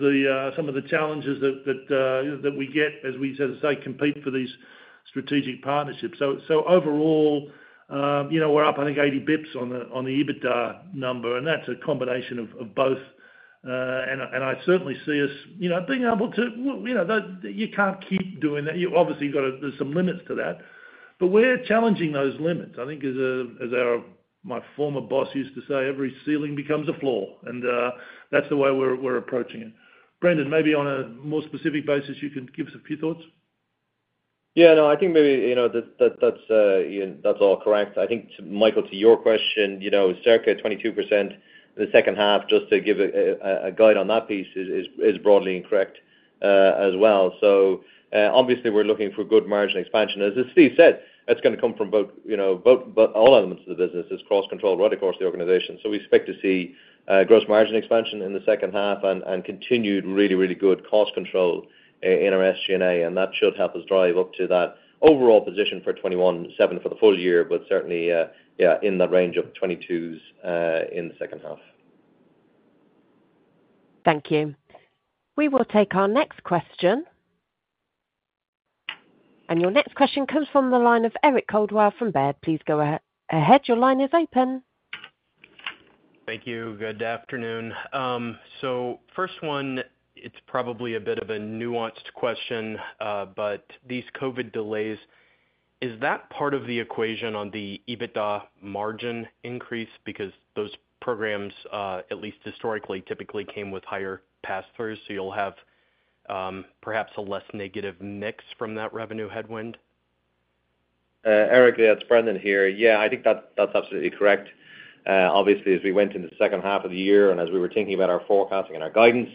C: some of the challenges that we get, as I say, compete for these strategic partnerships. So overall, you know, we're up, I think, 80 basis points on the EBITDA number, and that's a combination of both. And I certainly see us, you know, being able to... Well, you know, that you can't keep doing that. You obviously, you've gotta. There's some limits to that. But we're challenging those limits. I think as my former boss used to say, "Every ceiling becomes a floor," and that's the way we're approaching it. Brendan, maybe on a more specific basis, you can give us a few thoughts?
D: Yeah, no, I think maybe, you know, that, that, that's, I mean, that's all correct. I think, Michael, to your question, you know, circa 22%, the second half, just to give a guide on that piece is broadly incorrect, as well. So, obviously, we're looking for good margin expansion. As Steve said, that's gonna come from both, you know, both, both, all elements of the business as cross-controlled right across the organization. So we expect to see gross margin expansion in the second half and continued really, really good cost control in our SG&A, and that should help us drive up to that overall position for 21.7 for the full year, but certainly, yeah, in the range of 22s in the second half.
A: Thank you. We will take our next question. Your next question comes from the line of Eric Coldwell from Baird. Please go ahead. Your line is open.
K: Thank you. Good afternoon. So first one, it's probably a bit of a nuanced question, but these COVID delays, is that part of the equation on the EBITDA margin increase? Because those programs, at least historically, typically came with higher pass-throughs, so you'll have, perhaps a less negative mix from that revenue headwind.
D: Eric, yeah, it's Brendan here. Yeah, I think that's, that's absolutely correct. Obviously, as we went into the second half of the year, and as we were thinking about our forecasting and our guidance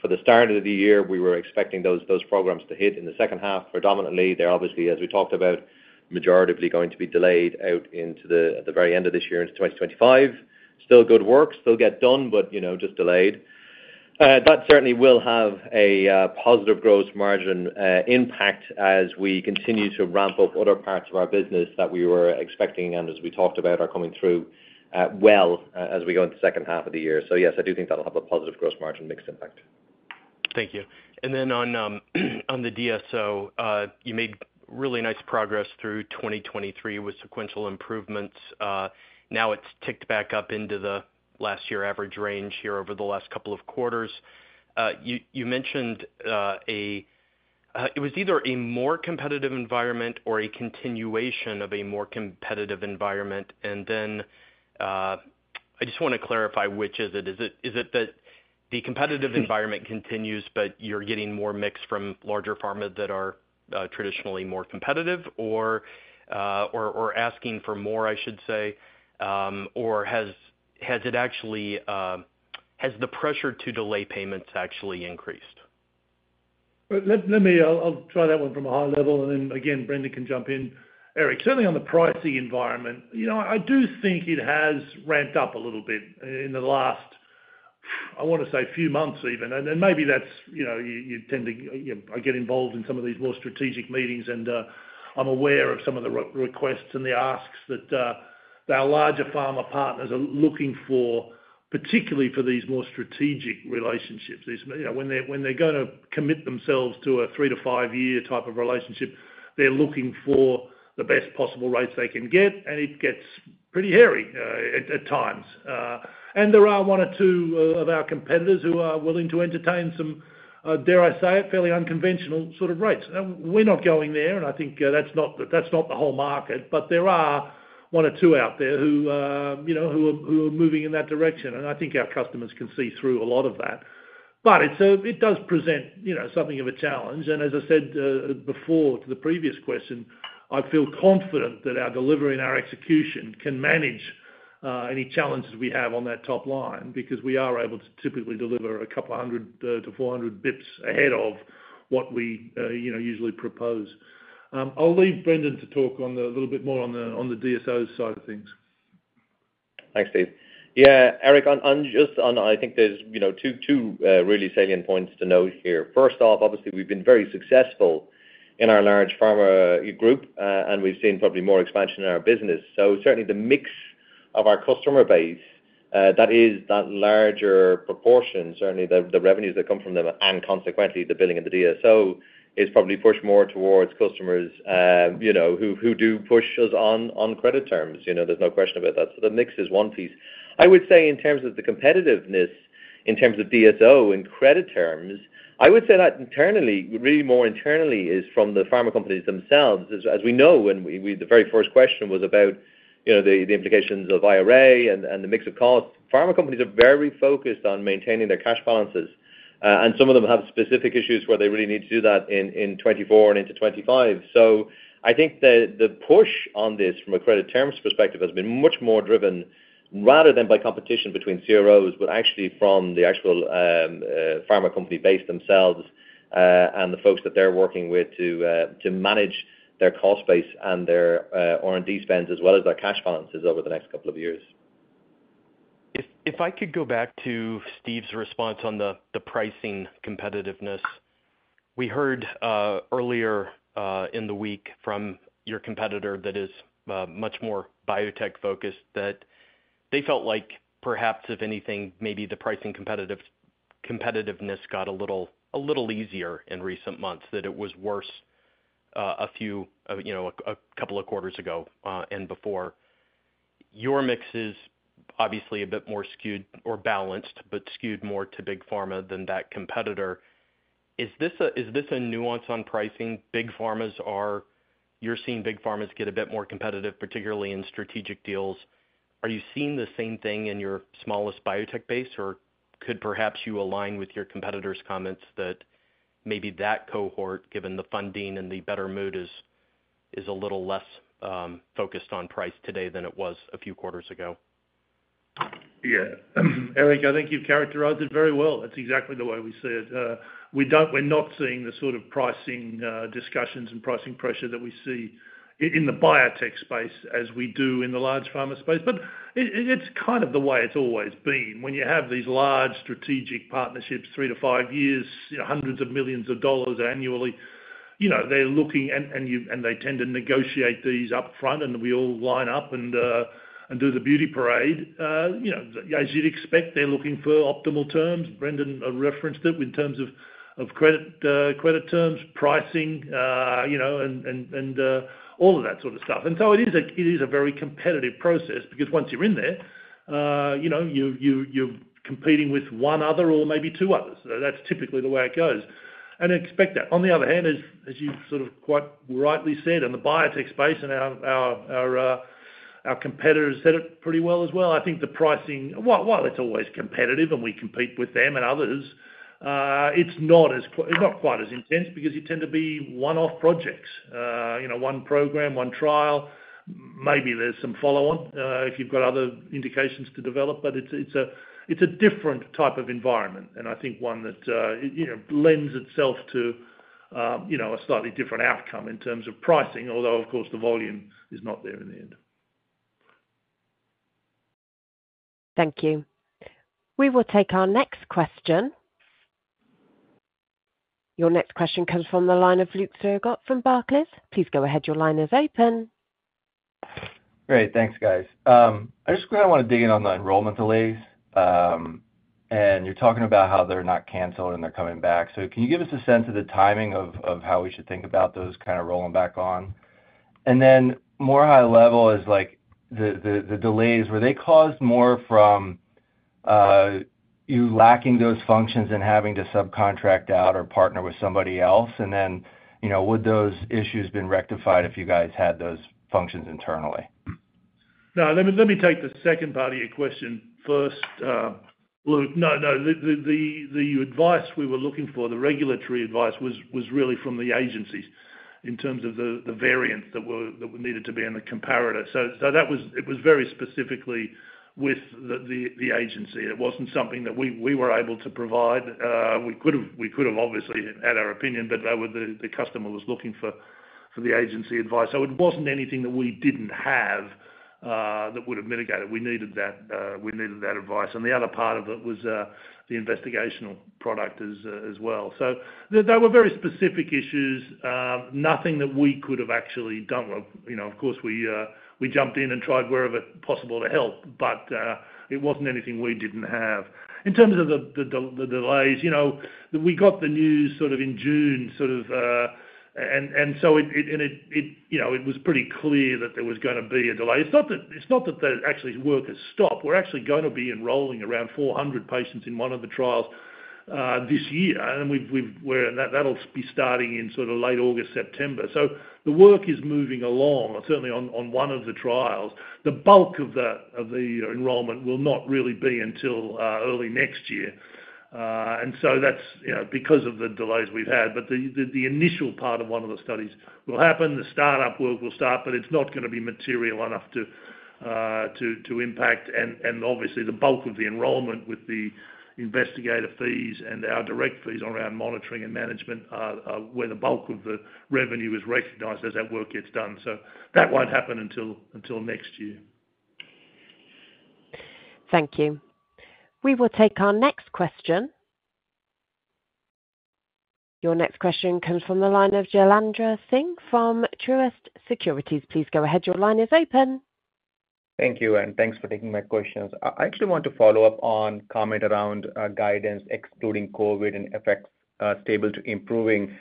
D: for the start of the year, we were expecting those, those programs to hit in the second half. Predominantly, they're obviously, as we talked about, majority going to be delayed out into the very end of this year into 2025. Still good work, still get done, but, you know, just delayed. That certainly will have a positive gross margin impact as we continue to ramp up other parts of our business that we were expecting and as we talked about, are coming through well as we go into the second half of the year. So yes, I do think that'll have a positive gross margin mix impact.
K: Thank you. Then on the DSO, you made really nice progress through 2023 with sequential improvements. Now it's ticked back up into the last year average range here over the last couple of quarters. You mentioned it was either a more competitive environment or a continuation of a more competitive environment. Then I just want to clarify, which is it? Is it that the competitive environment continues, but you're getting more mix from larger pharma that are traditionally more competitive or asking for more, I should say? Or has the pressure to delay payments actually increased?
C: Well, let me, I'll try that one from a high level, and then again, Brendan can jump in. Eric, certainly on the pricing environment, you know, I do think it has ramped up a little bit in the last, I want to say, few months even. And maybe that's, you know, you tend to, you know, I get involved in some of these more strategic meetings, and I'm aware of some of the requests and the asks that our larger pharma partners are looking for, particularly for these more strategic relationships. These, you know, when they're gonna commit themselves to a three- to five-year type of relationship, they're looking for the best possible rates they can get, and it gets pretty hairy at times. And there are one or two of our competitors who are willing to entertain some, dare I say, fairly unconventional sort of rates. And we're not going there, and I think that's not the, that's not the whole market, but there are one or two out there who, you know, who are moving in that direction, and I think our customers can see through a lot of that. But it's, it does present, you know, something of a challenge. And as I said, before to the previous question, I feel confident that our delivery and our execution can manage any challenges we have on that top line, because we are able to typically deliver 200 to 400 bips ahead of what we, you know, usually propose. I'll leave Brendan to talk a little bit more on the DSO side of things.
D: Thanks, Steve. Yeah, Eric, just on—I think there's, you know, two really salient points to note here. First off, obviously, we've been very successful in our large pharma group, and we've seen probably more expansion in our business. So certainly the mix of our customer base, that is that larger proportion, certainly the revenues that come from them, and consequently, the billing and the DSO, is probably pushed more towards customers, you know, who do push us on credit terms. You know, there's no question about that. So the mix is one piece. I would say in terms of the competitiveness, in terms of DSO and credit terms, I would say that internally, really more internally, is from the pharma companies themselves. As we know, the very first question was about, you know, the implications of IRA and the mix of cost. Pharma companies are very focused on maintaining their cash balances, and some of them have specific issues where they really need to do that in 2024 and into 2025. So I think the push on this from a credit terms perspective has been much more driven, rather than by competition between CROs, but actually from the actual pharma company base themselves, and the folks that they're working with to manage their cost base and their R&D spends, as well as their cash balances over the next couple of years.
K: If I could go back to Steve's response on the pricing competitiveness. We heard earlier in the week from your competitor that is much more biotech focused, that they felt like perhaps if anything, maybe the pricing competitiveness got a little easier in recent months, that it was worse a few you know a couple of quarters ago and before. Your mix is obviously a bit more skewed or balanced, but skewed more to big pharma than that competitor. Is this a nuance on pricing? Big pharmas are you're seeing big pharmas get a bit more competitive, particularly in strategic deals. Are you seeing the same thing in your smallest biotech base, or could perhaps you align with your competitor's comments that maybe that cohort, given the funding and the better mood, is a little less focused on price today than it was a few quarters ago?
C: Yeah. Eric, I think you've characterized it very well. That's exactly the way we see it. We don't. We're not seeing the sort of pricing discussions and pricing pressure that we see in the biotech space as we do in the large pharma space. But it, it's kind of the way it's always been. When you have these large strategic partnerships, three to five years, you know, $hundreds of millions annually, you know, they're looking and they tend to negotiate these up front, and we all line up and do the beauty parade. You know, as you'd expect, they're looking for optimal terms. Brendan referenced it in terms of credit terms, pricing, you know, and all of that sort of stuff. And so it is a very competitive process because once you're in there, you know, you've competing with one other or maybe two others. So that's typically the way it goes, and expect that. On the other hand, as you sort of quite rightly said, in the biotech space, and our competitors said it pretty well as well, I think the pricing, while it's always competitive and we compete with them and others, it's not quite as intense because you tend to be one-off projects. You know, one program, one trial, maybe there's some follow-on, if you've got other indications to develop. But it's a different type of environment, and I think one that, you know, lends itself to, you know, a slightly different outcome in terms of pricing, although, of course, the volume is not there in the end.
A: Thank you. We will take our next question. Your next question comes from the line of Luke Sergott from Barclays. Please go ahead. Your line is open.
L: Great. Thanks, guys. I just kinda wanna dig in on the enrollment delays. And you're talking about how they're not canceled, and they're coming back. So can you give us a sense of the timing of how we should think about those kind of rolling back on? And then more high level is like the delays, were they caused more from you lacking those functions and having to subcontract out or partner with somebody else? And then, you know, would those issues been rectified if you guys had those functions internally?
C: No, let me, let me take the second part of your question first, Luke. No, no, the advice we were looking for, the regulatory advice, was really from the agencies in terms of the variants that were needed to be in the comparator. So that was... It was very specifically with the agency. It wasn't something that we were able to provide. We could've, we could have obviously had our opinion, but the customer was looking for the agency advice. So it wasn't anything that we didn't have that would have mitigated. We needed that advice, and the other part of it was the investigational product as well. So there were very specific issues, nothing that we could have actually done. Well, you know, of course, we, we jumped in and tried wherever possible to help, but, it wasn't anything we didn't have. In terms of the delays, you know, we got the news sort of in June, sort of, and so it, you know, it was pretty clear that there was gonna be a delay. It's not that, it's not that the actual work has stopped. We're actually gonna be enrolling around 400 patients in one of the trials, this year, and we've, we're. And that, that'll be starting in sort of late August, September. So the work is moving along, certainly on one of the trials. The bulk of the enrollment will not really be until early next year. And so that's, you know, because of the delays we've had. But the initial part of one of the studies will happen. The startup work will start, but it's not gonna be material enough to impact. And obviously, the bulk of the enrollment with the investigator fees and our direct fees around monitoring and management are where the bulk of the revenue is recognized as that work gets done. So that won't happen until next year.
A: Thank you. We will take our next question. Your next question comes from the line of Jailendra Singh from Truist Securities. Please go ahead. Your line is open.
M: Thank you, and thanks for taking my questions. I actually want to follow up on comment around guidance, excluding COVID and effects, stable to improving.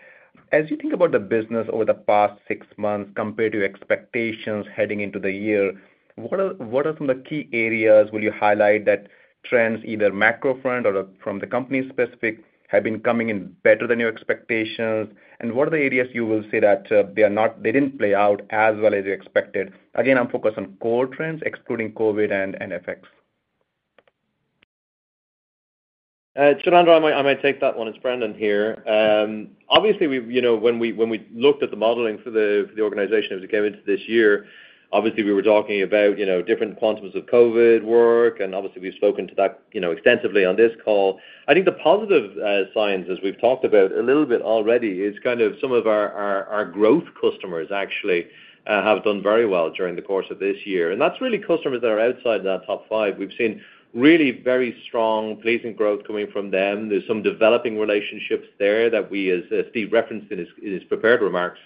M: As you think about the business over the past six months compared to expectations heading into the year, what are some of the key areas you will highlight that trends, either macro front or from the company-specific, have been coming in better than your expectations? And what are the areas you will say that they didn't play out as well as you expected? Again, I'm focused on core trends, excluding COVID and FX.
D: Jailendra, I might, I might take that one. It's Brendan here. Obviously, we've—you know, when we looked at the modeling for the organization as we came into this year, obviously, we were talking about, you know, different quantums of COVID work, and obviously, we've spoken to that, you know, extensively on this call. I think the positive signs, as we've talked about a little bit already, is kind of some of our growth customers actually have done very well during the course of this year. And that's really customers that are outside that top five. We've seen really very strong, pleasing growth coming from them. There's some developing relationships there that we as Steve referenced in his prepared remarks,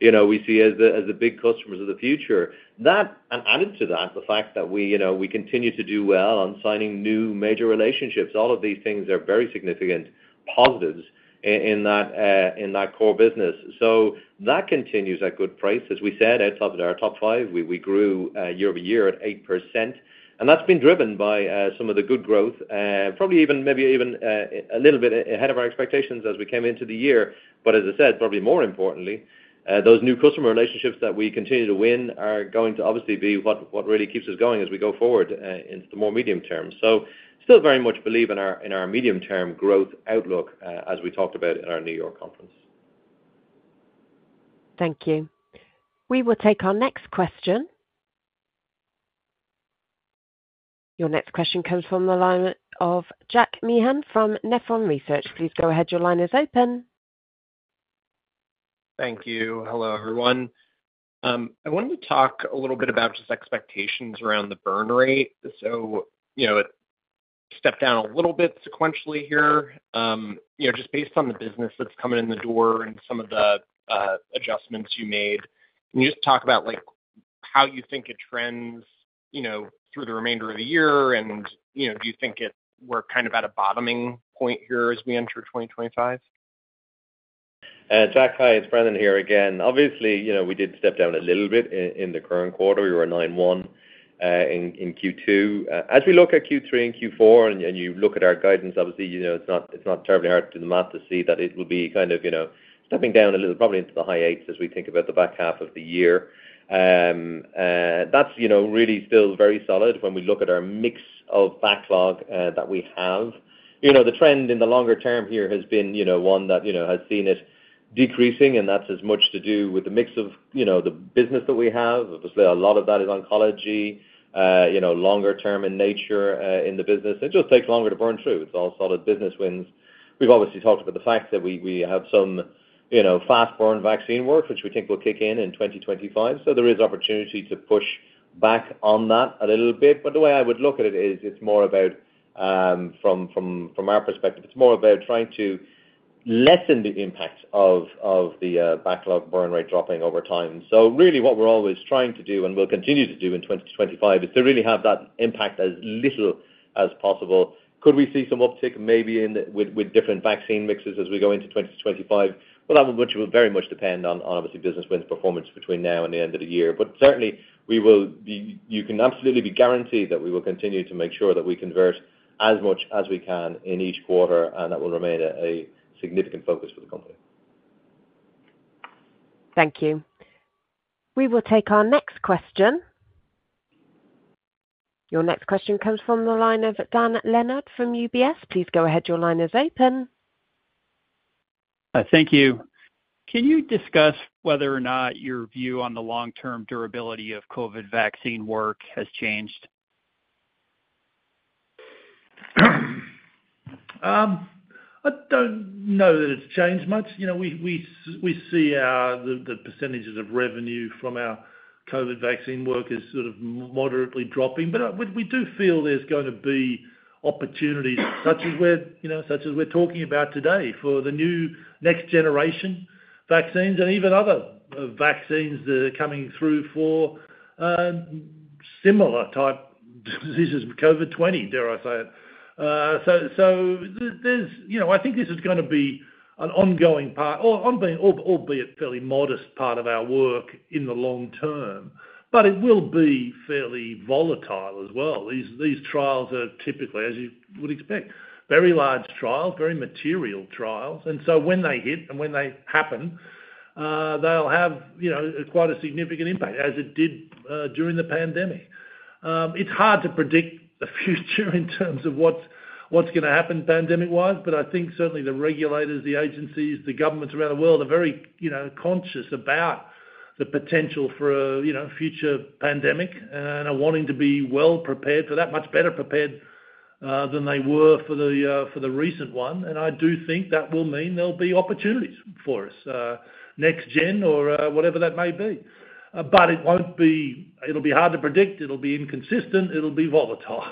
D: you know, we see as the big customers of the future. That, and added to that, the fact that we, you know, we continue to do well on signing new major relationships. All of these things are very significant positives in that core business. So that continues at good pace. As we said, at top of our top five, we grew year-over-year at 8%, and that's been driven by some of the good growth, probably even, maybe even, a little bit ahead of our expectations as we came into the year. But as I said, probably more importantly, those new customer relationships that we continue to win are going to obviously be what really keeps us going as we go forward into the more medium term. So still very much believe in our medium-term growth outlook, as we talked about in our New York conference.
A: Thank you. We will take our next question. Your next question comes from the line of Jack Meehan from Nephron Research. Please go ahead. Your line is open.
N: Thank you. Hello, everyone. I wanted to talk a little bit about just expectations around the burn rate. So, you know, it stepped down a little bit sequentially here. You know, just based on the business that's coming in the door and some of the adjustments you made, can you just talk about, like, how you think it trends, you know, through the remainder of the year? And, you know, do you think we're kind of at a bottoming point here as we enter 2025?
D: Jack, hi, it's Brendan here again. Obviously, you know, we did step down a little bit in the current quarter. We were 9.1 in Q2. As we look at Q3 and Q4, and you look at our guidance, obviously, you know, it's not terribly hard to do the math to see that it will be kind of, you know, stepping down a little, probably into the high eights as we think about the back half of the year. That's, you know, really still very solid when we look at our mix of backlog that we have. You know, the trend in the longer term here has been, you know, one that, you know, has seen it decreasing, and that's as much to do with the mix of, you know, the business that we have. Obviously, a lot of that is oncology, you know, longer term in nature, in the business. It just takes longer to burn through. It's all solid business wins. We've obviously talked about the fact that we have some, you know, fast burn vaccine work, which we think will kick in in 2025. So there is opportunity to push back on that a little bit, but the way I would look at it is it's more about, from our perspective, it's more about trying to lessen the impact of the backlog burn rate dropping over time. So really, what we're always trying to do, and we'll continue to do in 2025, is to really have that impact as little as possible. Could we see some uptick maybe in with different vaccine mixes as we go into 2025? Well, that would very much depend on obviously business wins performance between now and the end of the year. But certainly, we will be, you can absolutely be guaranteed that we will continue to make sure that we convert as much as we can in each quarter, and that will remain a significant focus for the company.
A: Thank you. We will take our next question. Your next question comes from the line of Dan Leonard from UBS. Please go ahead. Your line is open.
O: Thank you. Can you discuss whether or not your view on the long-term durability of COVID vaccine work has changed?
C: I don't know that it's changed much. You know, we see the percentages of revenue from our COVID vaccine work is sort of moderately dropping. But we do feel there's gonna be opportunities, such as we're, you know, such as we're talking about today, for the new next generation vaccines and even other vaccines that are coming through for similar type diseases, COVID-20, dare I say it. So there's... You know, I think this is gonna be an ongoing part or ongoing, albeit fairly modest part of our work in the long term, but it will be fairly volatile as well. These, these trials are typically, as you would expect, very large trials, very material trials, and so when they hit and when they happen, they'll have, you know, quite a significant impact, as it did during the pandemic. It's hard to predict the future in terms of what's, what's gonna happen pandemic-wise, but I think certainly the regulators, the agencies, the governments around the world are very, you know, conscious about the potential for a, you know, future pandemic, and are wanting to be well prepared for that, much better prepared than they were for the, for the recent one, and I do think that will mean there'll be opportunities for us, next gen or, whatever that may be. But it won't be. It'll be hard to predict, it'll be inconsistent, it'll be volatile.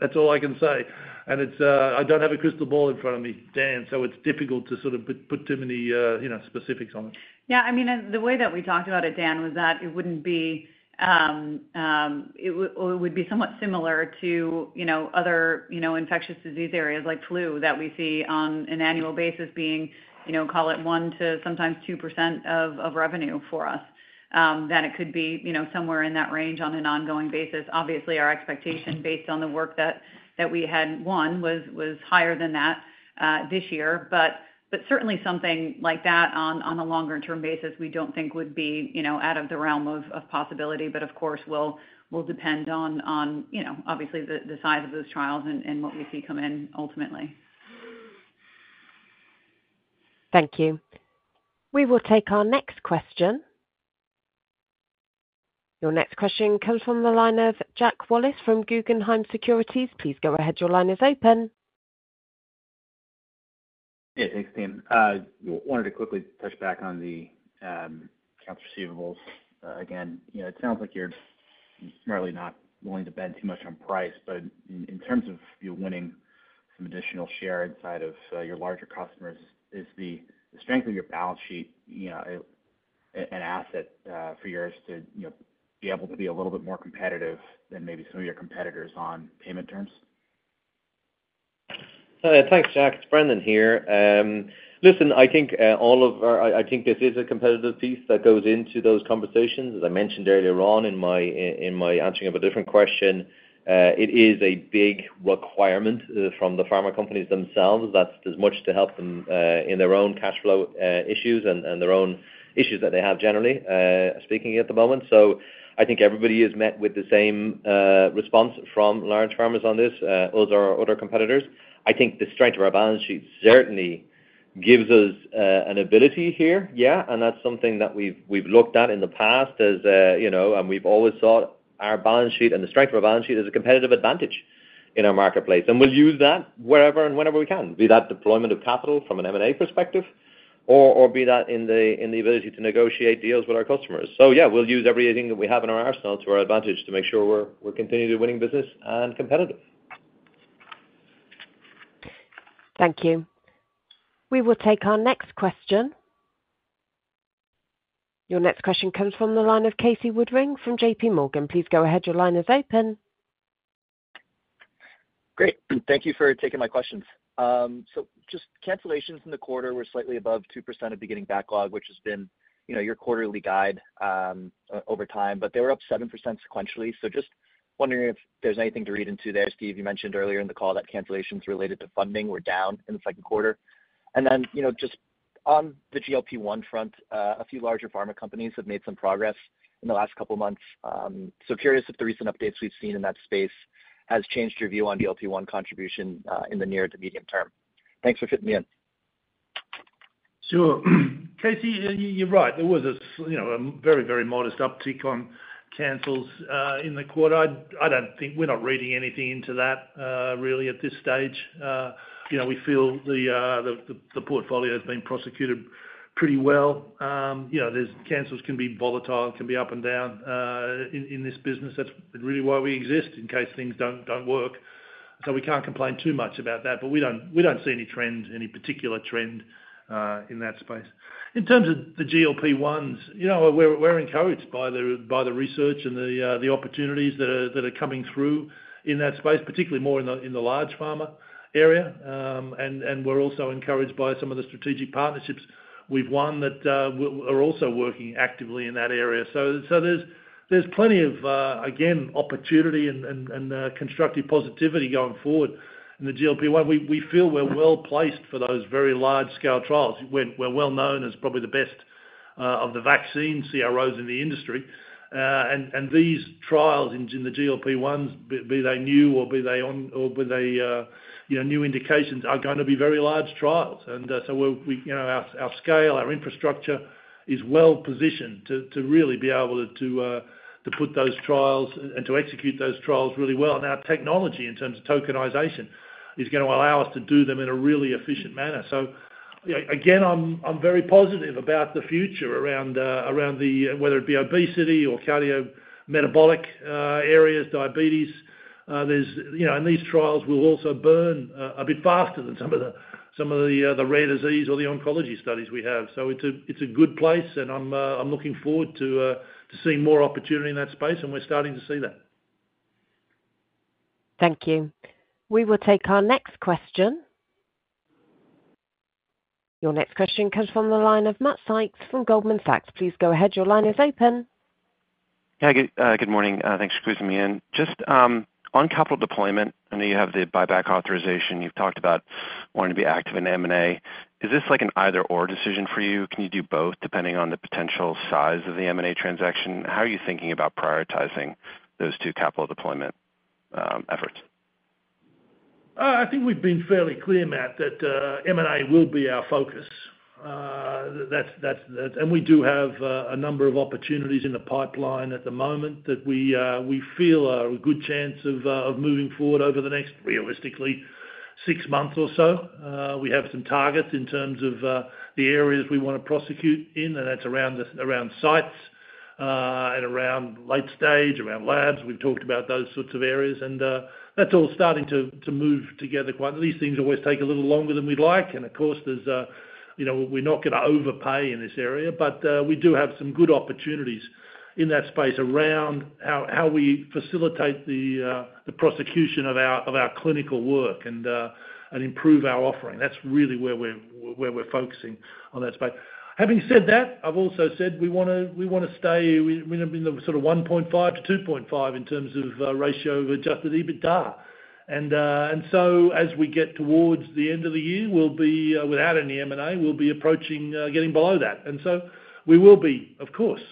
C: That's all I can say. It's, I don't have a crystal ball in front of me, Dan, so it's difficult to sort of put too many, you know, specifics on it.
B: Yeah, I mean, and the way that we talked about it, Dan, was that it wouldn't be or it would be somewhat similar to, you know, other, you know, infectious disease areas like flu, that we see on an annual basis being, you know, call it 1 to sometimes 2% of revenue for us. That it could be, you know, somewhere in that range on an ongoing basis. Obviously, our expectation based on the work that we had won was higher than that this year. But certainly something like that on a longer-term basis, we don't think would be, you know, out of the realm of possibility. But of course, will depend on, you know, obviously the size of those trials and what we see come in ultimately.
A: Thank you. We will take our next question. Your next question comes from the line of Jack Wallace from Guggenheim Securities. Please go ahead. Your line is open.
P: Yeah, thanks, team. Wanted to quickly touch back on the accounts receivables. Again, you know, it sounds like you're really not willing to bend too much on price, but in terms of you winning some additional share inside of your larger customers, is the strength of your balance sheet, you know, an asset for you to be able to be a little bit more competitive than maybe some of your competitors on payment terms?
D: Thanks, Jack. It's Brendan here. Listen, I think all of our... I think this is a competitive piece that goes into those conversations. As I mentioned earlier on in my in my answering of a different question, it is a big requirement from the pharma companies themselves. That's as much to help them in their own cash flow issues and their own issues that they have generally speaking at the moment. So I think everybody is met with the same response from large pharmas on this, those are our other competitors. I think the strength of our balance sheet certainly gives us an ability here, and that's something that we've looked at in the past as, you know, and we've always thought our balance sheet and the strength of our balance sheet is a competitive advantage in our marketplace. And we'll use that wherever and whenever we can, be that deployment of capital from an M&A perspective, or be that in the ability to negotiate deals with our customers. So yeah, we'll use everything that we have in our arsenal to our advantage to make sure we're continually winning business and competitive.
A: Thank you. We will take our next question. Your next question comes from the line of Casey Woodring from J.P. Morgan. Please go ahead. Your line is open.
Q: Great. Thank you for taking my questions. So just cancellations in the quarter were slightly above 2% of beginning backlog, which has been, you know, your quarterly guide, over time, but they were up 7% sequentially. So just wondering if there's anything to read into there, Steve, you mentioned earlier in the call that cancellations related to funding were down in the second quarter. And then, you know, just on the GLP-1 front, a few larger pharma companies have made some progress in the last couple of months. So curious if the recent updates we've seen in that space has changed your view on GLP-1 contribution in the near to medium term. Thanks for fitting me in.
C: Sure. Casey, you're right. There was a slight, you know, a very, very modest uptick on cancels in the quarter. I don't think... We're not reading anything into that, really at this stage. You know, we feel the portfolio has been prosecuted pretty well. You know, cancels can be volatile, can be up and down in this business. That's really why we exist, in case things don't work. So we can't complain too much about that, but we don't see any trend, any particular trend in that space. In terms of the GLP-1s, you know, we're encouraged by the research and the opportunities that are coming through in that space, particularly in the large pharma area. We're also encouraged by some of the strategic partnerships we've won that are also working actively in that area. So there's plenty of, again, opportunity and constructive positivity going forward in the GLP-1. We feel we're well-placed for those very large-scale trials. We're well-known as probably the best of the vaccine CROs in the industry. And these trials in the GLP-1s, be they new or be they ongoing or be they, you know, new indications, are gonna be very large trials. And so we're well positioned. You know, our scale, our infrastructure is well positioned to really be able to put those trials and to execute those trials really well. And our technology, in terms of tokenization, is gonna allow us to do them in a really efficient manner. So again, I'm very positive about the future around whether it be obesity or cardiometabolic areas, diabetes. There's. You know, and these trials will also burn a bit faster than some of the rare disease or the oncology studies we have. So it's a good place, and I'm looking forward to seeing more opportunity in that space, and we're starting to see that.
A: Thank you. We will take our next question. Your next question comes from the line of Matt Sykes from Goldman Sachs. Please go ahead. Your line is open.
R: Yeah, good. Good morning. Thanks for squeezing me in. Just on capital deployment, I know you have the buyback authorization. You've talked about wanting to be active in M&A. Is this like an either/or decision for you? Can you do both, depending on the potential size of the M&A transaction? How are you thinking about prioritizing those two capital deployment efforts?
C: I think we've been fairly clear, Matt, that M&A will be our focus. That's. We do have a number of opportunities in the pipeline at the moment that we feel are a good chance of moving forward over the next, realistically, six months or so. We have some targets in terms of the areas we wanna prosecute in, and that's around sites and around late stage, around labs. We've talked about those sorts of areas, and that's all starting to move together. These things always take a little longer than we'd like, and of course, there's a, you know, we're not gonna overpay in this area, but we do have some good opportunities in that space around how we facilitate the prosecution of our clinical work and improve our offering. That's really where we're focusing on that space. Having said that, I've also said we wanna stay within the sort of 1.5-2.5 in terms of ratio of Adjusted EBITDA. And so as we get towards the end of the year, we'll be without any M&A, we'll be approaching getting below that. We will be, of course,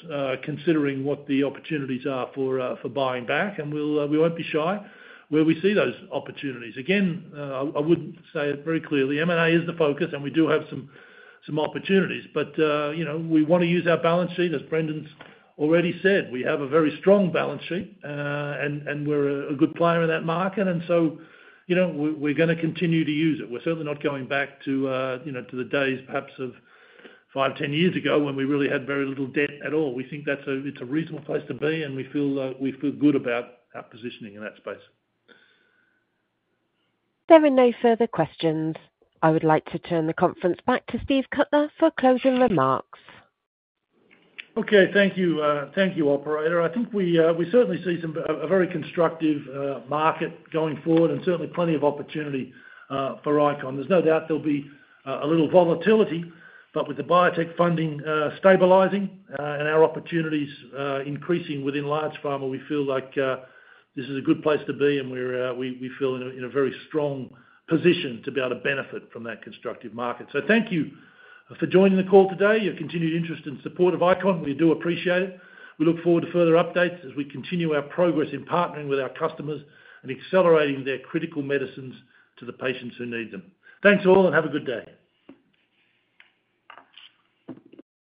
C: considering what the opportunities are for buying back, and we'll, we won't be shy where we see those opportunities. Again, I would say it very clearly, M&A is the focus, and we do have some opportunities, but, you know, we wanna use our balance sheet. As Brendan's already said, we have a very strong balance sheet, and we're a good player in that market, and so, you know, we're gonna continue to use it. We're certainly not going back to, you know, to the days, perhaps of 5, 10 years ago, when we really had very little debt at all. We think that's a reasonable place to be, and we feel good about our positioning in that space.
A: There are no further questions. I would like to turn the conference back to Steve Cutler for closing remarks.
C: Okay. Thank you, thank you, operator. I think we certainly see a very constructive market going forward and certainly plenty of opportunity for ICON. There's no doubt there'll be a little volatility, but with the biotech funding stabilizing and our opportunities increasing within large pharma, we feel like this is a good place to be, and we feel in a very strong position to be able to benefit from that constructive market. So thank you for joining the call today. Your continued interest and support of ICON, we do appreciate it. We look forward to further updates as we continue our progress in partnering with our customers and accelerating their critical medicines to the patients who need them. Thanks, all, and have a good day.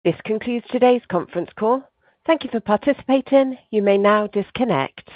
A: This concludes today's conference call. Thank you for participating. You may now disconnect.